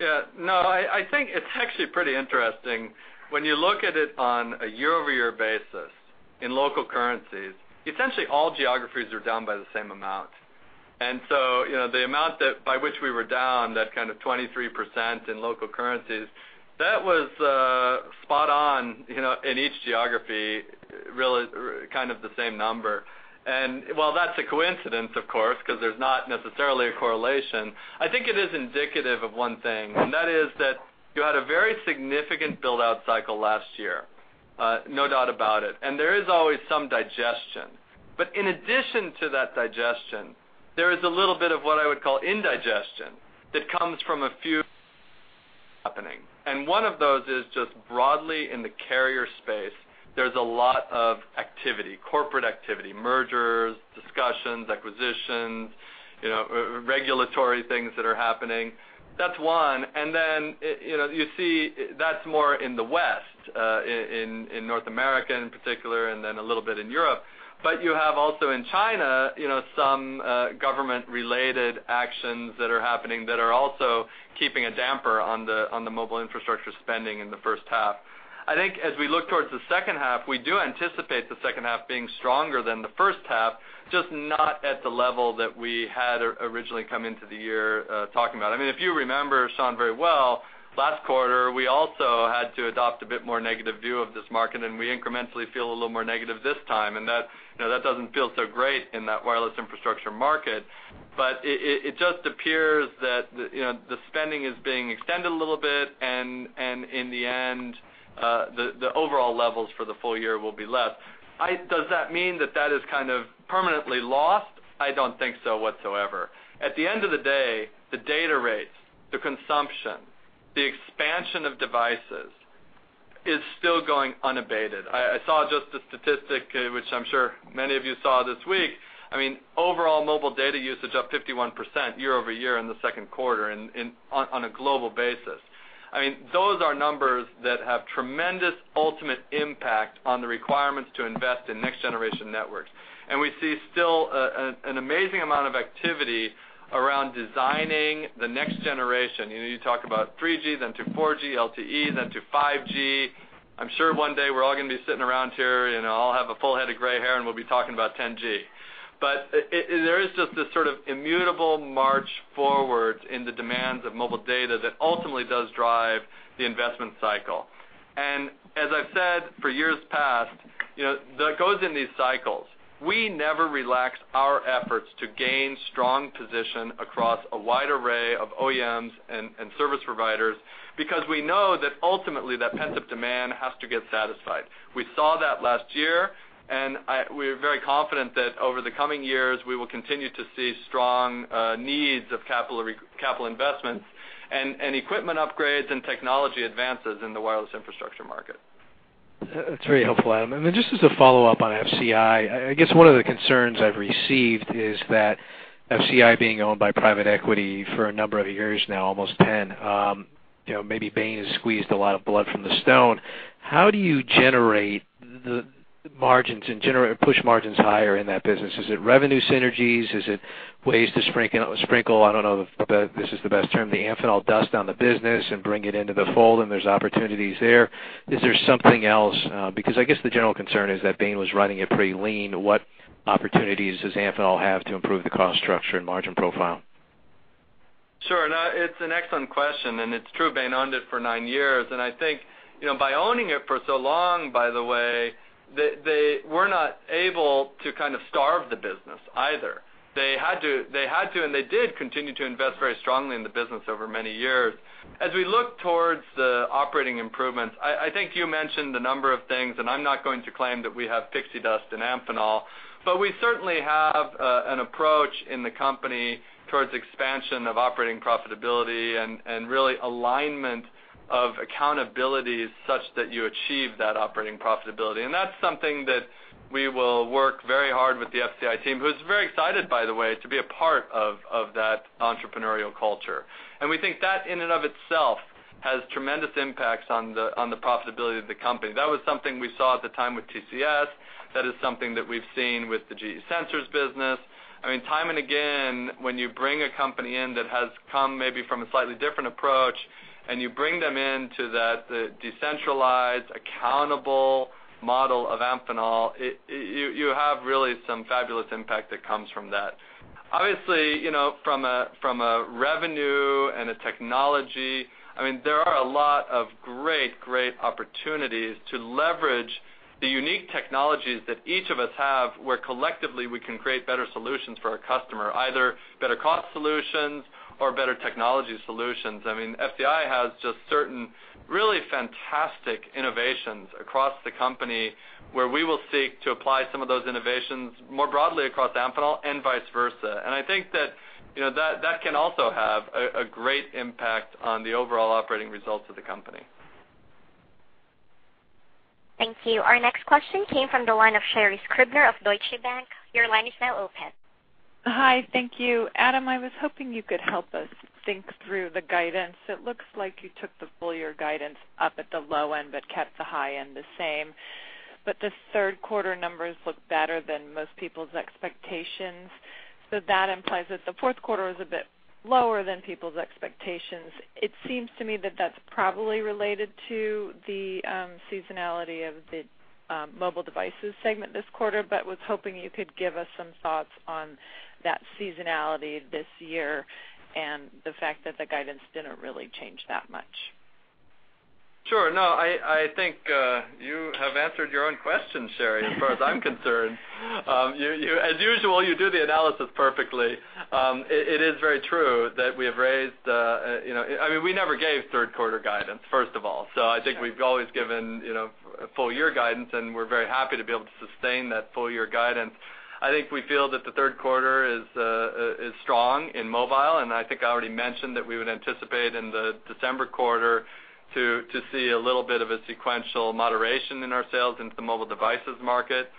Yeah, no, I, I think it's actually pretty interesting. When you look at it on a year-over-year basis in local currencies, essentially all geographies are down by the same amount. And so, you know, the amount that by which we were down, that kind of 23% in local currencies, that was spot on, you know, in each geography, really, kind of the same number. And while that's a coincidence, of course, because there's not necessarily a correlation, I think it is indicative of one thing, and that is that you had a very significant build-out cycle last year. No doubt about it. And there is always some digestion. But in addition to that digestion, there is a little bit of what I would call indigestion that comes from a few happening. One of those is just broadly in the carrier space, there's a lot of activity, corporate activity, mergers, discussions, acquisitions, you know, regulatory things that are happening. That's one. And then, you know, you see, that's more in the West, in North America in particular, and then a little bit in Europe. But you have also in China, you know, some government-related actions that are happening that are also keeping a damper on the mobile infrastructure spending in the first half. I think as we look towards the second half, we do anticipate the second half being stronger than the first half, just not at the level that we had or originally come into the year, talking about. I mean, if you remember, Shawn, very well, last quarter, we also had to adopt a bit more negative view of this market, and we incrementally feel a little more negative this time, and that, you know, that doesn't feel so great in that wireless infrastructure market. But it just appears that the, you know, the spending is being extended a little bit, and in the end, the overall levels for the full year will be less. Does that mean that that is kind of permanently lost? I don't think so whatsoever. At the end of the day, the data rates, the consumption, the expansion of devices is still going unabated. I saw just a statistic, which I'm sure many of you saw this week. I mean, overall, mobile data usage up 51% year-over-year in the second quarter on a global basis. I mean, those are numbers that have tremendous ultimate impact on the requirements to invest in next-generation networks. And we see still an amazing amount of activity around designing the next generation. You know, you talk about 3G, then to 4G, LTE, then to 5G. I'm sure one day we're all gonna be sitting around here, you know, I'll have a full head of gray hair, and we'll be talking about 10G. But, there is just this sort of immutable march forward in the demands of mobile data that ultimately does drive the investment cycle. And as I've said for years past, you know, that goes in these cycles. We never relax our efforts to gain strong position across a wide array of OEMs and service providers because we know that ultimately, pent-up demand has to get satisfied. We saw that last year, and we're very confident that over the coming years, we will continue to see strong needs of capital investment and equipment upgrades and technology advances in the wireless infrastructure market. That's very helpful, Adam. Then just as a follow-up on FCI, I guess one of the concerns I've received is that FCI being owned by private equity for a number of years now, almost 10, you know, maybe Bain has squeezed a lot of blood from the stone. How do you generate the margins and push margins higher in that business? Is it revenue synergies? Is it ways to sprinkle the Amphenol dust on the business and bring it into the fold, and there's opportunities there. Is there something else? Because I guess the general concern is that Bain was running it pretty lean. What opportunities does Amphenol have to improve the cost structure and margin profile? Sure. No, it's an excellent question, and it's true, Bain owned it for nine years. And I think, you know, by owning it for so long, by the way, they were not able to kind of starve the business either. They had to, and they did continue to invest very strongly in the business over many years. As we look towards the operating improvements, I think you mentioned a number of things, and I'm not going to claim that we have pixie dust in Amphenol, but we certainly have an approach in the company towards expansion of operating profitability and really alignment of accountability such that you achieve that operating profitability. And that's something that we will work very hard with the FCI team, who's very excited, by the way, to be a part of that entrepreneurial culture. And we think that in and of itself has tremendous impacts on the profitability of the company. That was something we saw at the time with TCS. That is something that we've seen with the GE Sensors business. I mean, time and again, when you bring a company in that has come maybe from a slightly different approach, and you bring them in to that, the decentralized, accountable model of Amphenol, you have really some fabulous impact that comes from that. Obviously, you know, from a revenue and a technology, I mean, there are a lot of great, great opportunities to leverage the unique technologies that each of us have, where collectively, we can create better solutions for our customer, either better cost solutions or better technology solutions. I mean, FCI has just certain really fantastic innovations across the company, where we will seek to apply some of those innovations more broadly across Amphenol and vice versa. I think that, you know, that can also have a great impact on the overall operating results of the company. Thank you. Our next question came from the line of Sherri Scribner of Deutsche Bank. Your line is now open. Hi, thank you. Adam, I was hoping you could help us think through the guidance. It looks like you took the full-year guidance up at the low end, but kept the high end the same. But the third quarter numbers look better than most people's expectations. So that implies that the fourth quarter was a bit lower than people's expectations. It seems to me that that's probably related to the seasonality of the mobile devices segment this quarter, but was hoping you could give us some thoughts on that seasonality this year and the fact that the guidance didn't really change that much. Sure. No, I think you have answered your own question, Sherri, as far as I'm concerned. You, as usual, you do the analysis perfectly. It is very true that we have raised, you know... I mean, we never gave third quarter guidance, first of all. So I think we've always given, you know, a full-year guidance, and we're very happy to be able to sustain that full-year guidance. I think we feel that the third quarter is strong in mobile, and I think I already mentioned that we would anticipate in the December quarter to see a little bit of a sequential moderation in our sales into the mobile devices market.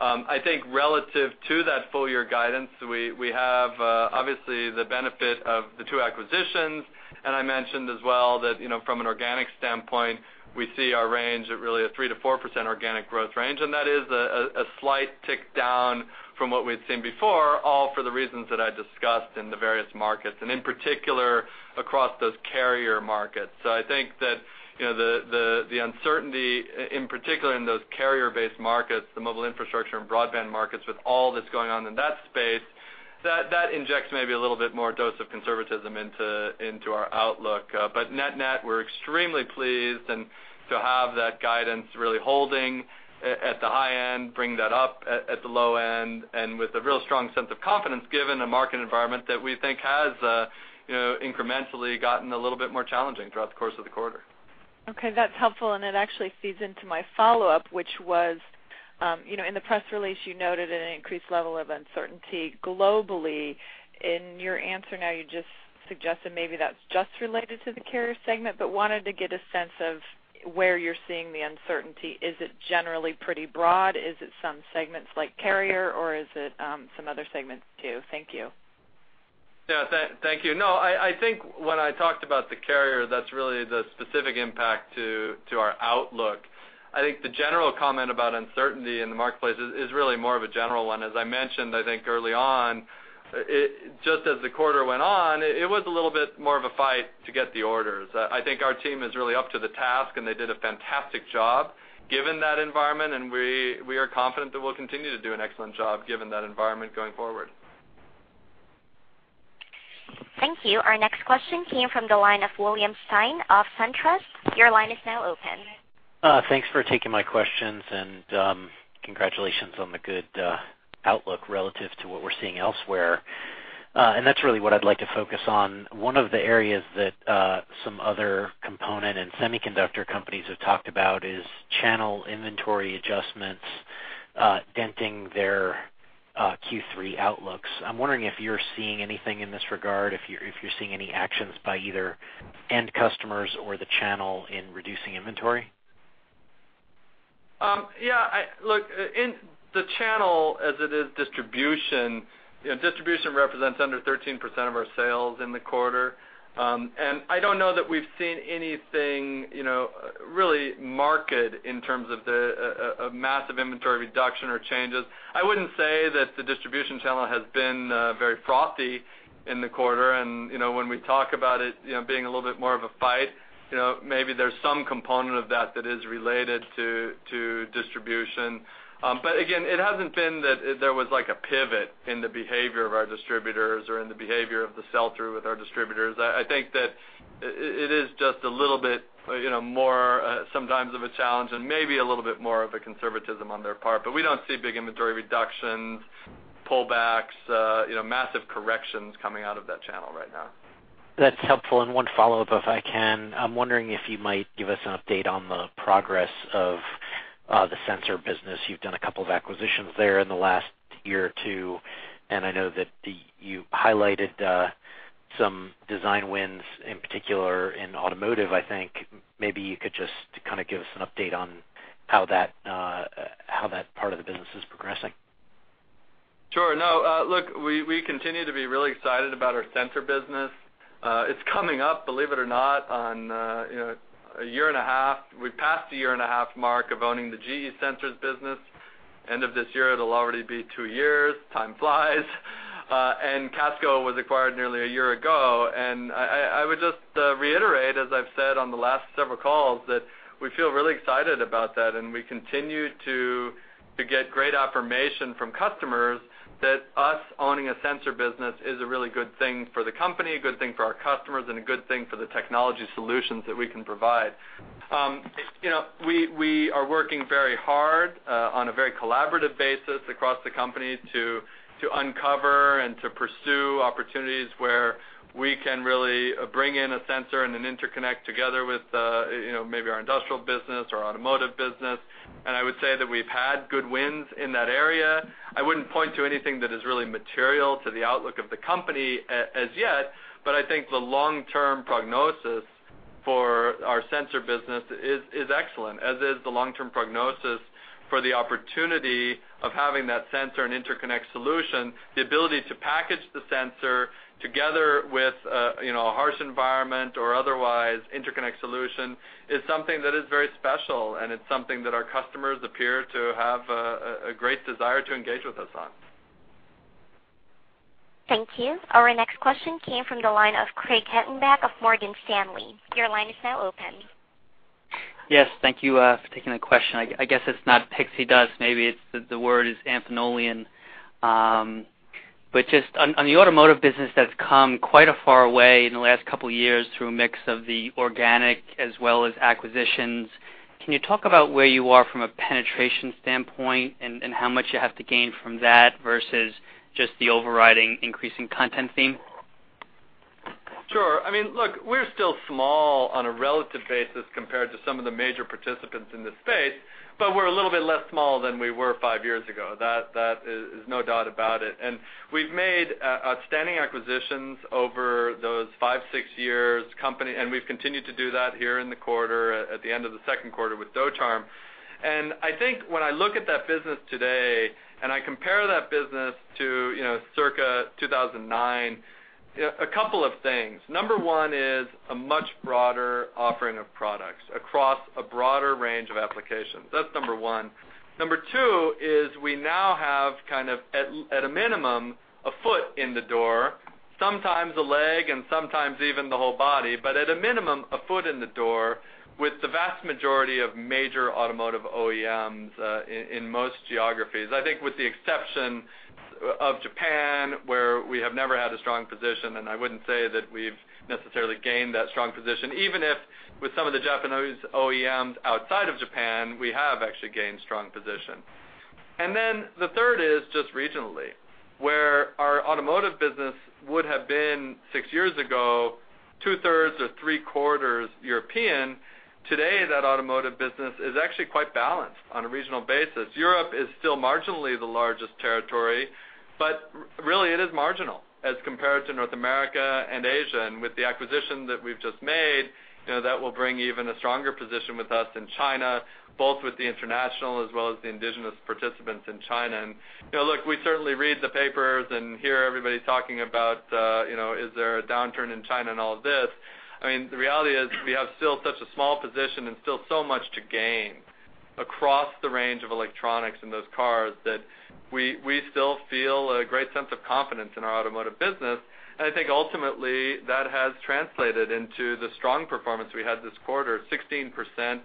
I think relative to that full year guidance, we have, obviously, the benefit of the two acquisitions. I mentioned as well that, you know, from an organic standpoint, we see our range at really a 3%-4% organic growth range, and that is a slight tick down from what we'd seen before, all for the reasons that I discussed in the various markets, and in particular, across those carrier markets. So I think that, you know, the uncertainty, in particular, in those carrier-based markets, the mobile infrastructure and broadband markets, with all that's going on in that space, that injects maybe a little bit more dose of conservatism into our outlook. But net-net, we're extremely pleased and to have that guidance really holding at, at the high end, bring that up at, at the low end, and with a real strong sense of confidence, given the market environment that we think has, you know, incrementally gotten a little bit more challenging throughout the course of the quarter. Okay, that's helpful, and it actually feeds into my follow-up, which was, you know, in the press release, you noted an increased level of uncertainty globally. In your answer now, you just suggested maybe that's just related to the carrier segment, but wanted to get a sense of where you're seeing the uncertainty. Is it generally pretty broad? Is it some segments like carrier, or is it, some other segments, too? Thank you.... Yeah, thank you. No, I think when I talked about the carrier, that's really the specific impact to our outlook. I think the general comment about uncertainty in the marketplace is really more of a general one. As I mentioned, I think early on, it just as the quarter went on, it was a little bit more of a fight to get the orders. I think our team is really up to the task, and they did a fantastic job given that environment, and we are confident that we'll continue to do an excellent job, given that environment going forward. Thank you. Our next question came from the line of William Stein of SunTrust. Your line is now open. Thanks for taking my questions, and congratulations on the good outlook relative to what we're seeing elsewhere. That's really what I'd like to focus on. One of the areas that some other component and semiconductor companies have talked about is channel inventory adjustments denting their Q3 outlooks. I'm wondering if you're seeing anything in this regard, if you're seeing any actions by either end customers or the channel in reducing inventory? Yeah, look, in the channel as it is distribution, you know, distribution represents under 13% of our sales in the quarter. And I don't know that we've seen anything, you know, really market in terms of a massive inventory reduction or changes. I wouldn't say that the distribution channel has been very frothy in the quarter, and, you know, when we talk about it, you know, being a little bit more of a fight, you know, maybe there's some component of that that is related to distribution. But again, it hasn't been that there was like a pivot in the behavior of our distributors or in the behavior of the sell-through with our distributors. I think that it is just a little bit, you know, more sometimes of a challenge and maybe a little bit more of a conservatism on their part, but we don't see big inventory reductions, pullbacks, you know, massive corrections coming out of that channel right now. That's helpful. And one follow-up, if I can. I'm wondering if you might give us an update on the progress of the sensor business. You've done a couple of acquisitions there in the last year or two, and I know that you highlighted some design wins, in particular in automotive, I think. Maybe you could just kind of give us an update on how that part of the business is progressing. Sure. No, look, we continue to be really excited about our sensor business. It's coming up, believe it or not, on, you know, a year and a half. We passed the year-and-a-half mark of owning the GE Sensors business. End of this year, it'll already be two years. Time flies. Casco was acquired nearly a year ago. I would just reiterate, as I've said on the last several calls, that we feel really excited about that, and we continue to get great affirmation from customers that us owning a sensor business is a really good thing for the company, a good thing for our customers, and a good thing for the technology solutions that we can provide. You know, we are working very hard on a very collaborative basis across the company to uncover and to pursue opportunities where we can really bring in a sensor and an interconnect together with, you know, maybe our industrial business or automotive business. And I would say that we've had good wins in that area. I wouldn't point to anything that is really material to the outlook of the company as yet, but I think the long-term prognosis for our sensor business is excellent, as is the long-term prognosis for the opportunity of having that sensor and interconnect solution. The ability to package the sensor together with a, you know, a harsh environment or otherwise interconnect solution is something that is very special, and it's something that our customers appear to have a great desire to engage with us on. Thank you. Our next question came from the line of Craig Hettenbach of Morgan Stanley. Your line is now open. Yes, thank you for taking the question. I guess it's not pixie dust. Maybe it's the word is Amphenolian. But just on the automotive business, that's come quite a far way in the last couple of years through a mix of the organic as well as acquisitions. Can you talk about where you are from a penetration standpoint and how much you have to gain from that versus just the overriding increasing content theme? Sure. I mean, look, we're still small on a relative basis compared to some of the major participants in this space, but we're a little bit less small than we were five years ago. That is no doubt about it. And we've made outstanding acquisitions over those five, six years company, and we've continued to do that here in the quarter, at the end of the second quarter with Docharm. And I think when I look at that business today, and I compare that business to, you know, circa 2009, you know, a couple of things. Number one is a much broader offering of products across a broader range of applications. That's number one. Number two is we now have kind of, at a minimum, a foot in the door, sometimes a leg and sometimes even the whole body, but at a minimum, a foot in the door with the vast majority of major automotive OEMs in most geographies. I think with the exception of Japan, where we have never had a strong position, and I wouldn't say that we've necessarily gained that strong position, even if with some of the Japanese OEMs outside of Japan, we have actually gained strong position. And then, the third is just regionally, where our automotive business would have been, six years ago, two-thirds or three-quarters European. Today, that automotive business is actually quite balanced on a regional basis. Europe is still marginally the largest territory, but really, it is marginal as compared to North America and Asia. And with the acquisition that we've just made, you know, that will bring even a stronger position with us in China, both with the international as well as the indigenous participants in China. And, you know, look, we certainly read the papers and hear everybody talking about, you know, is there a downturn in China and all of this? I mean, the reality is, we have still such a small position and still so much to gain across the range of electronics in those cars, that we still feel a great sense of confidence in our automotive business. And I think ultimately, that has translated into the strong performance we had this quarter, 16%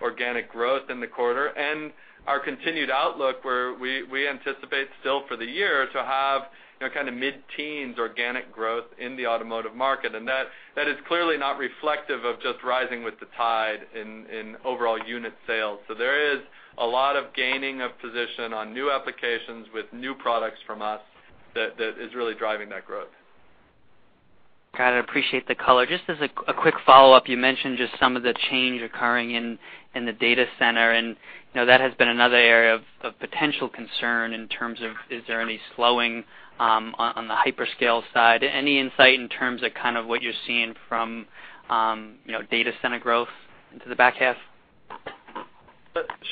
organic growth in the quarter, and our continued outlook, where we anticipate still for the year to have, you know, kind of mid-teens organic growth in the automotive market. And that is clearly not reflective of just rising with the tide in overall unit sales. So there is a lot of gaining of position on new applications with new products from us that is really driving that growth. Got it. I appreciate the color. Just as a quick follow-up, you mentioned just some of the change occurring in the data center, and, you know, that has been another area of potential concern in terms of, is there any slowing on the hyperscale side? Any insight in terms of kind of what you're seeing from, you know, data center growth into the back half?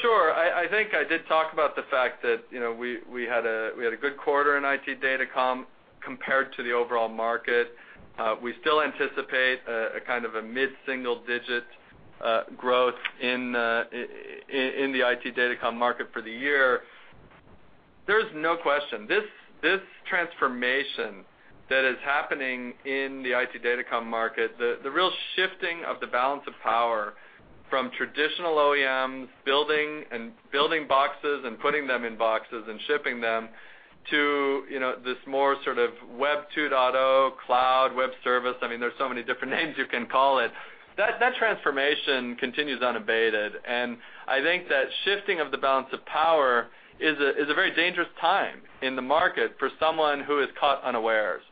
Sure. I think I did talk about the fact that, you know, we had a good quarter in IT datacom compared to the overall market. We still anticipate a kind of a mid-single digit growth in the IT datacom market for the year. There's no question, this transformation that is happening in the IT datacom market, the real shifting of the balance of power from traditional OEMs, building and building boxes and putting them in boxes and shipping them, to, you know, this more sort of Web 2.0, cloud, web service, I mean, there's so many different names you can call it. That transformation continues unabated, and I think that shifting of the balance of power is a very dangerous time in the market for someone who is caught unawares.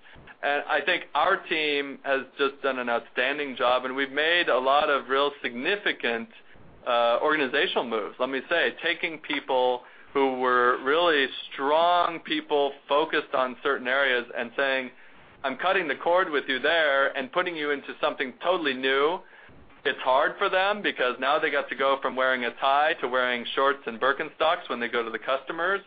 And I think our team has just done an outstanding job, and we've made a lot of real significant organizational moves. Let me say, taking people who were really strong people, focused on certain areas and saying, "I'm cutting the cord with you there and putting you into something totally new," it's hard for them because now they got to go from wearing a tie to wearing shorts and Birkenstocks when they go to the customers.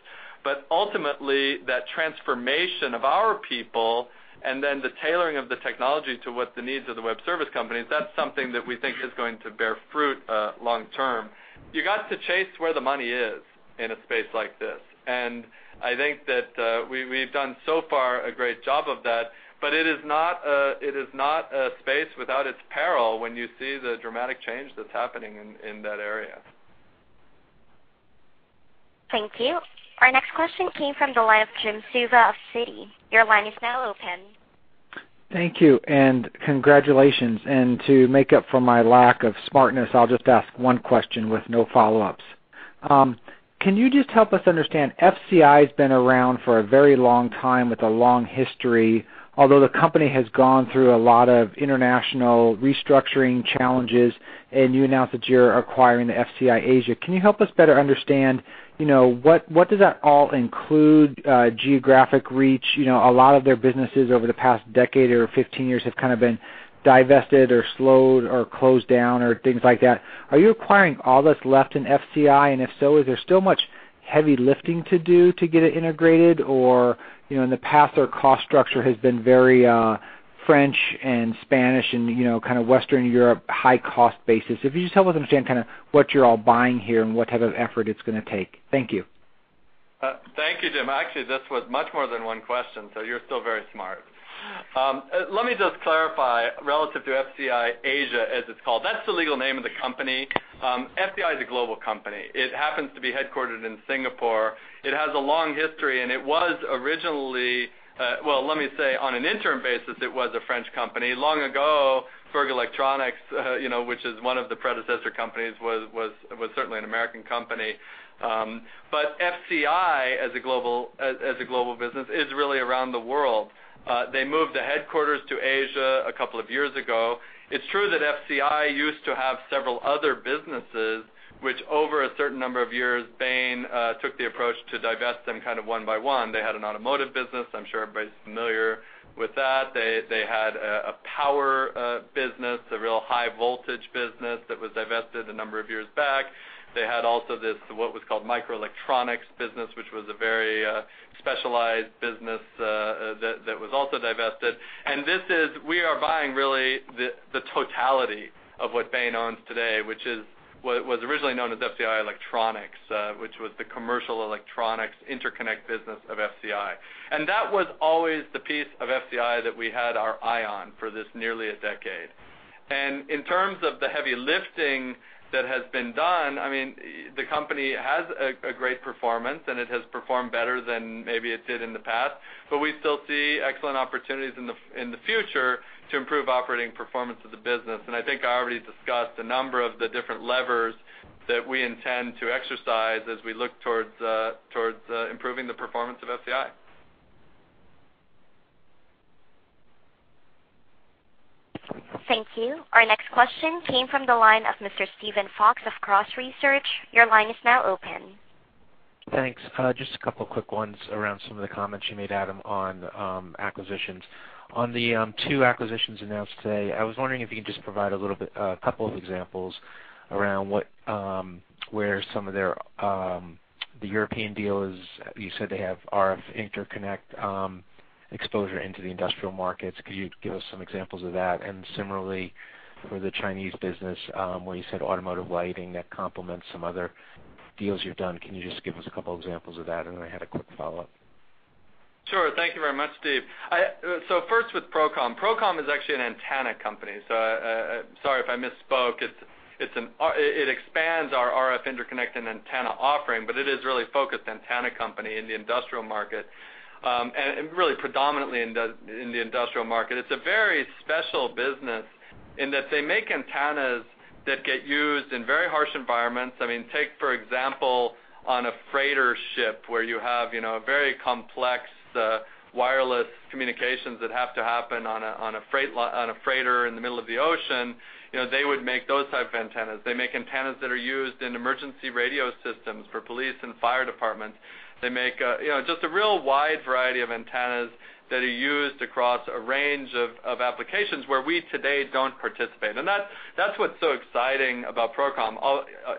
But ultimately, that transformation of our people and then the tailoring of the technology to what the needs of the web service companies, that's something that we think is going to bear fruit long term. You got to chase where the money is in a space like this, and I think that we, we've done so far a great job of that. But it is not a space without its peril when you see the dramatic change that's happening in that area. Thank you. Our next question came from the line of Jim Suva of Citi. Your line is now open. Thank you, and congratulations. To make up for my lack of smartness, I'll just ask one question with no follow-ups. Can you just help us understand, FCI's been around for a very long time with a long history, although the company has gone through a lot of international restructuring challenges, and you announced that you're acquiring the FCI Asia. Can you help us better understand, you know, what, what does that all include, geographic reach? You know, a lot of their businesses over the past decade or 15 years have kind of been divested or slowed or closed down or things like that. Are you acquiring all that's left in FCI? And if so, is there still much heavy lifting to do to get it integrated? Or, you know, in the past, their cost structure has been very, French and Spanish and, you know, kind of Western Europe, high-cost basis. If you just help us understand kind of what you're all buying here and what type of effort it's gonna take? Thank you. Thank you, Jim. Actually, this was much more than one question, so you're still very smart. Let me just clarify, relative to FCI Asia, as it's called, that's the legal name of the company. FCI is a global company. It happens to be headquartered in Singapore. It has a long history, and it was originally, well, let me say, on an interim basis, it was a French company. Long ago, Berg Electronics, you know, which is one of the predecessor companies, was certainly an American company. But FCI, as a global business, is really around the world. They moved the headquarters to Asia a couple of years ago. It's true that FCI used to have several other businesses, which over a certain number of years, Bain took the approach to divest them kind of one by one. They had an automotive business. I'm sure everybody's familiar with that. They had a power business, a real high voltage business that was divested a number of years back. They had also this, what was called microelectronics business, which was a very specialized business that was also divested. And this is - we are buying really the totality of what Bain owns today, which is what was originally known as FCI Electronics, which was the commercial electronics interconnect business of FCI. And that was always the piece of FCI that we had our eye on for this nearly a decade. And in terms of the heavy lifting that has been done, I mean, the company has a great performance, and it has performed better than maybe it did in the past, but we still see excellent opportunities in the future to improve operating performance of the business. And I think I already discussed a number of the different levers that we intend to exercise as we look towards improving the performance of FCI. Thank you. Our next question came from the line of Mr. Steven Fox of Cross Research. Your line is now open. Thanks. Just a couple of quick ones around some of the comments you made, Adam, on acquisitions. On the two acquisitions announced today, I was wondering if you could just provide a little bit, a couple of examples around what where some of their the European deals, you said they have RF interconnect exposure into the industrial markets. Could you give us some examples of that? And similarly, for the Chinese business, where you said automotive lighting that complements some other deals you've done, can you just give us a couple examples of that? And then I had a quick follow-up. Sure. Thank you very much, Steve. So first with Procom. Procom is actually an antenna company, so sorry if I misspoke. It's it expands our RF interconnect and antenna offering, but it is really focused antenna company in the industrial market, and really predominantly in the industrial market. It's a very special business in that they make antennas that get used in very harsh environments. I mean, take, for example, on a freighter ship where you have, you know, a very complex wireless communications that have to happen on a freighter in the middle of the ocean, you know, they would make those type of antennas. They make antennas that are used in emergency radio systems for police and fire departments. They make, you know, just a real wide variety of antennas that are used across a range of applications where we today don't participate. And that's what's so exciting about Procom.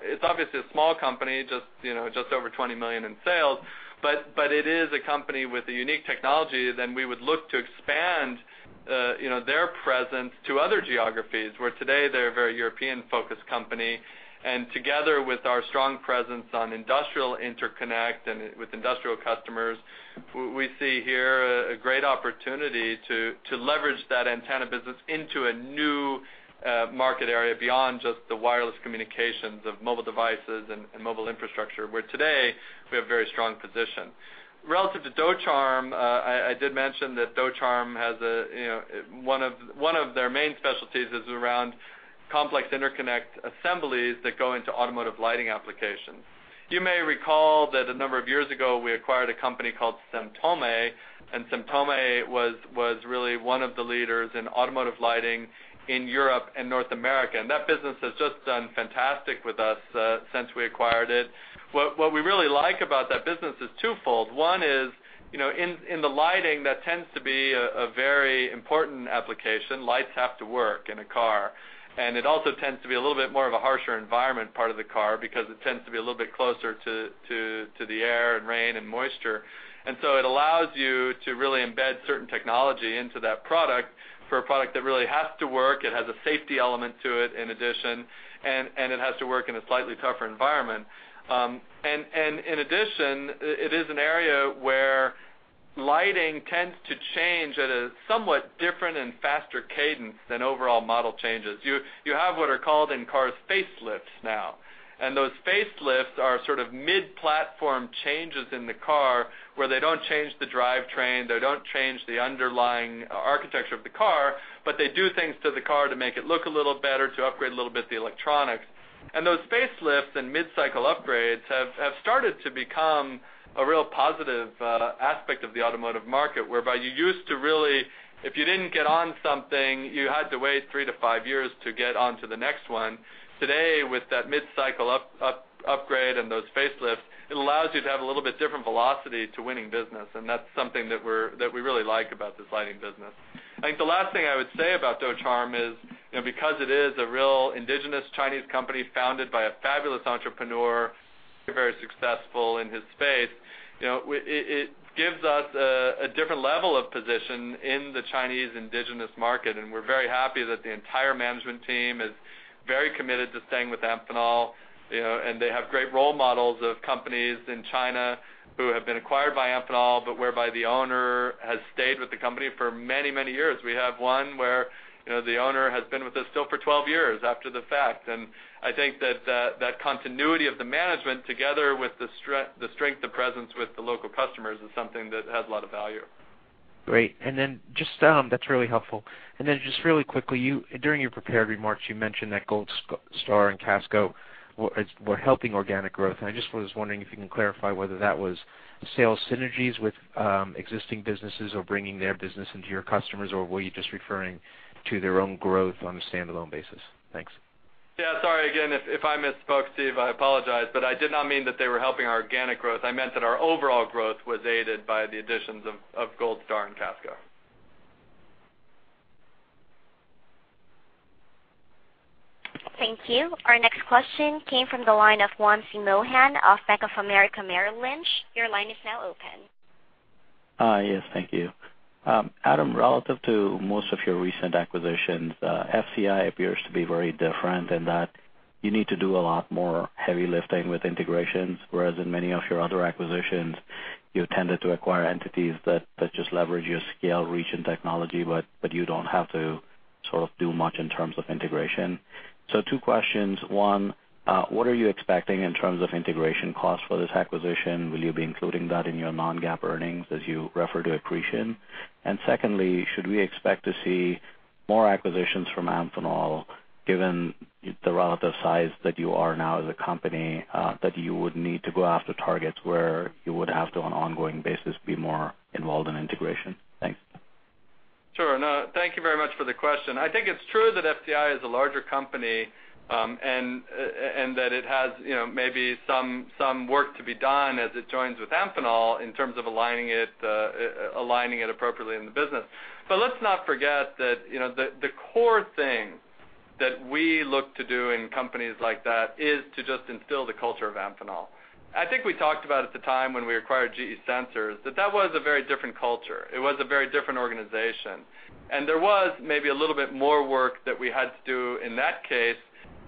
It's obviously a small company, you know, just over $20 million in sales, but it is a company with a unique technology. Then we would look to expand, you know, their presence to other geographies, where today they're a very European-focused company. And together with our strong presence on industrial interconnect and with industrial customers, we see here a great opportunity to leverage that antenna business into a new market area beyond just the wireless communications of mobile devices and mobile infrastructure, where today we have a very strong position. Relative to Docharm, I did mention that Docharm has a, you know, one of their main specialties is around complex interconnect assemblies that go into automotive lighting applications. You may recall that a number of years ago, we acquired a company called Cemm Thome, and Cemm Thome was really one of the leaders in automotive lighting in Europe and North America, and that business has just done fantastic with us since we acquired it. What we really like about that business is twofold. One is, you know, in the lighting, that tends to be a very important application. Lights have to work in a car, and it also tends to be a little bit more of a harsher environment part of the car because it tends to be a little bit closer to the air and rain and moisture. And so it allows you to really embed certain technology into that product for a product that really has to work, it has a safety element to it, in addition, and it has to work in a slightly tougher environment. And in addition, it is an area where lighting tends to change at a somewhat different and faster cadence than overall model changes. You have what are called in cars, facelifts now, and those facelifts are sort of mid-platform changes in the car, where they don't change the drivetrain, they don't change the underlying architecture of the car, but they do things to the car to make it look a little better, to upgrade a little bit the electronics. Those facelifts and mid-cycle upgrades have started to become a real positive aspect of the automotive market, whereby you used to really, if you didn't get on something, you had to wait three to five years to get onto the next one. Today, with that mid-cycle upgrade and those facelifts, it allows you to have a little bit different velocity to winning business, and that's something that we really like about this lighting business. I think the last thing I would say about Docharm is, you know, because it is a real indigenous Chinese company founded by a fabulous entrepreneur, very successful in his space, you know, it gives us a different level of position in the Chinese indigenous market, and we're very happy that the entire management team is very committed to staying with Amphenol, you know, and they have great role models of companies in China who have been acquired by Amphenol, but whereby the owner has stayed with the company for many, many years. We have one where, you know, the owner has been with us still for 12 years after the fact, and I think that, that, that continuity of the management, together with the strength, the presence with the local customers, is something that has a lot of value. Great. That's really helpful. Just really quickly, you during your prepared remarks, you mentioned that Goldstar and Casco were helping organic growth, and I just was wondering if you can clarify whether that was sales synergies with existing businesses or bringing their business into your customers, or were you just referring to their own growth on a standalone basis? Thanks. Yeah. Sorry again, if I misspoke, Steve, I apologize, but I did not mean that they were helping our organic growth. I meant that our overall growth was aided by the additions of Goldstar and Casco. Thank you. Our next question came from the line of Wamsi Mohan of Bank of America Merrill Lynch. Your line is now open. Yes, thank you. Adam, relative to most of your recent acquisitions, FCI appears to be very different in that you need to do a lot more heavy lifting with integrations, whereas in many of your other acquisitions, you tended to acquire entities that just leverage your scale, reach and technology, but you don't have to sort of do much in terms of integration. So two questions. One, what are you expecting in terms of integration costs for this acquisition? Will you be including that in your non-GAAP earnings as you refer to accretion? And secondly, should we expect to see more acquisitions from Amphenol, given the relative size that you are now as a company, that you would need to go after targets where you would have to, on an ongoing basis, be more involved in integration? Thanks. Sure. No, thank you very much for the question. I think it's true that FCI is a larger company, and that it has, you know, maybe some work to be done as it joins with Amphenol in terms of aligning it appropriately in the business. But let's not forget that, you know, the core thing that we look to do in companies like that is to just instill the culture of Amphenol. I think we talked about at the time when we acquired GE Sensors, that that was a very different culture. It was a very different organization, and there was maybe a little bit more work that we had to do in that case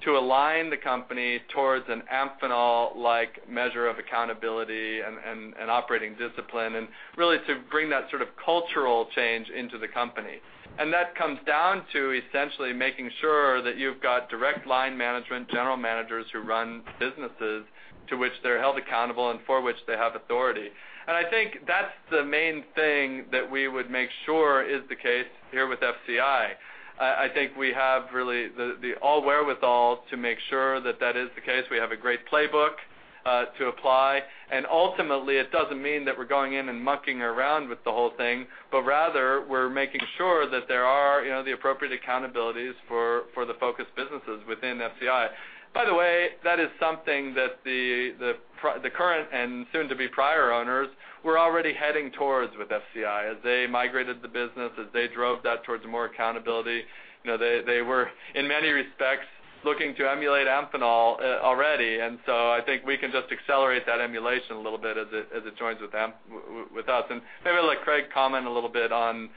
to align the company towards an Amphenol-like measure of accountability and operating discipline, and really to bring that sort of cultural change into the company. That comes down to essentially making sure that you've got direct line management, general managers who run businesses to which they're held accountable and for which they have authority. I think that's the main thing that we would make sure is the case here with FCI. I think we have really the wherewithal to make sure that that is the case. We have a great playbook to apply, and ultimately, it doesn't mean that we're going in and mucking around with the whole thing, but rather, we're making sure that there are, you know, the appropriate accountabilities for the focused businesses within FCI. By the way, that is something that the current and soon-to-be prior owners were already heading towards with FCI. As they migrated the business, as they drove that towards more accountability, you know, they were, in many respects, looking to emulate Amphenol already. And so I think we can just accelerate that emulation a little bit as it joins with us. And maybe I'll let Craig comment a little bit on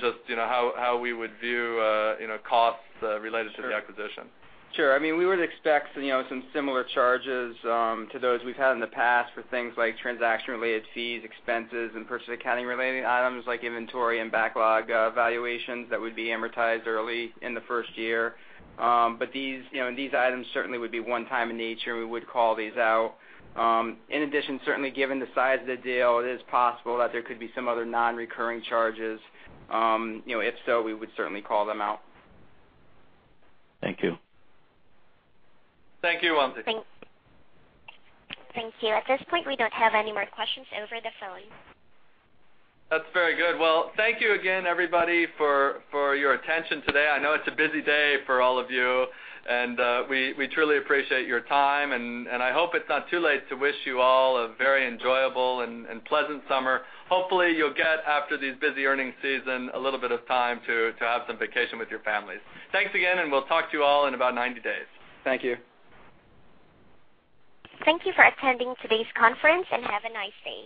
just, you know, how we would view, you know, costs related to the acquisition. Sure. I mean, we would expect, you know, some similar charges, to those we've had in the past for things like transaction-related fees, expenses, and purchase accounting-related items, like inventory and backlog, valuations that would be amortized early in the first year. But these, you know, and these items certainly would be one-time in nature, and we would call these out. In addition, certainly given the size of the deal, it is possible that there could be some other non-recurring charges. You know, if so, we would certainly call them out. Thank you. Thank you, Wamsi. Thank you. At this point, we don't have any more questions over the phone. That's very good. Well, thank you again, everybody, for your attention today. I know it's a busy day for all of you, and we truly appreciate your time, and I hope it's not too late to wish you all a very enjoyable and pleasant summer. Hopefully, you'll get, after this busy earnings season, a little bit of time to have some vacation with your families. Thanks again, and we'll talk to you all in about 90 days. Thank you. Thank you for attending today's conference, and have a nice day.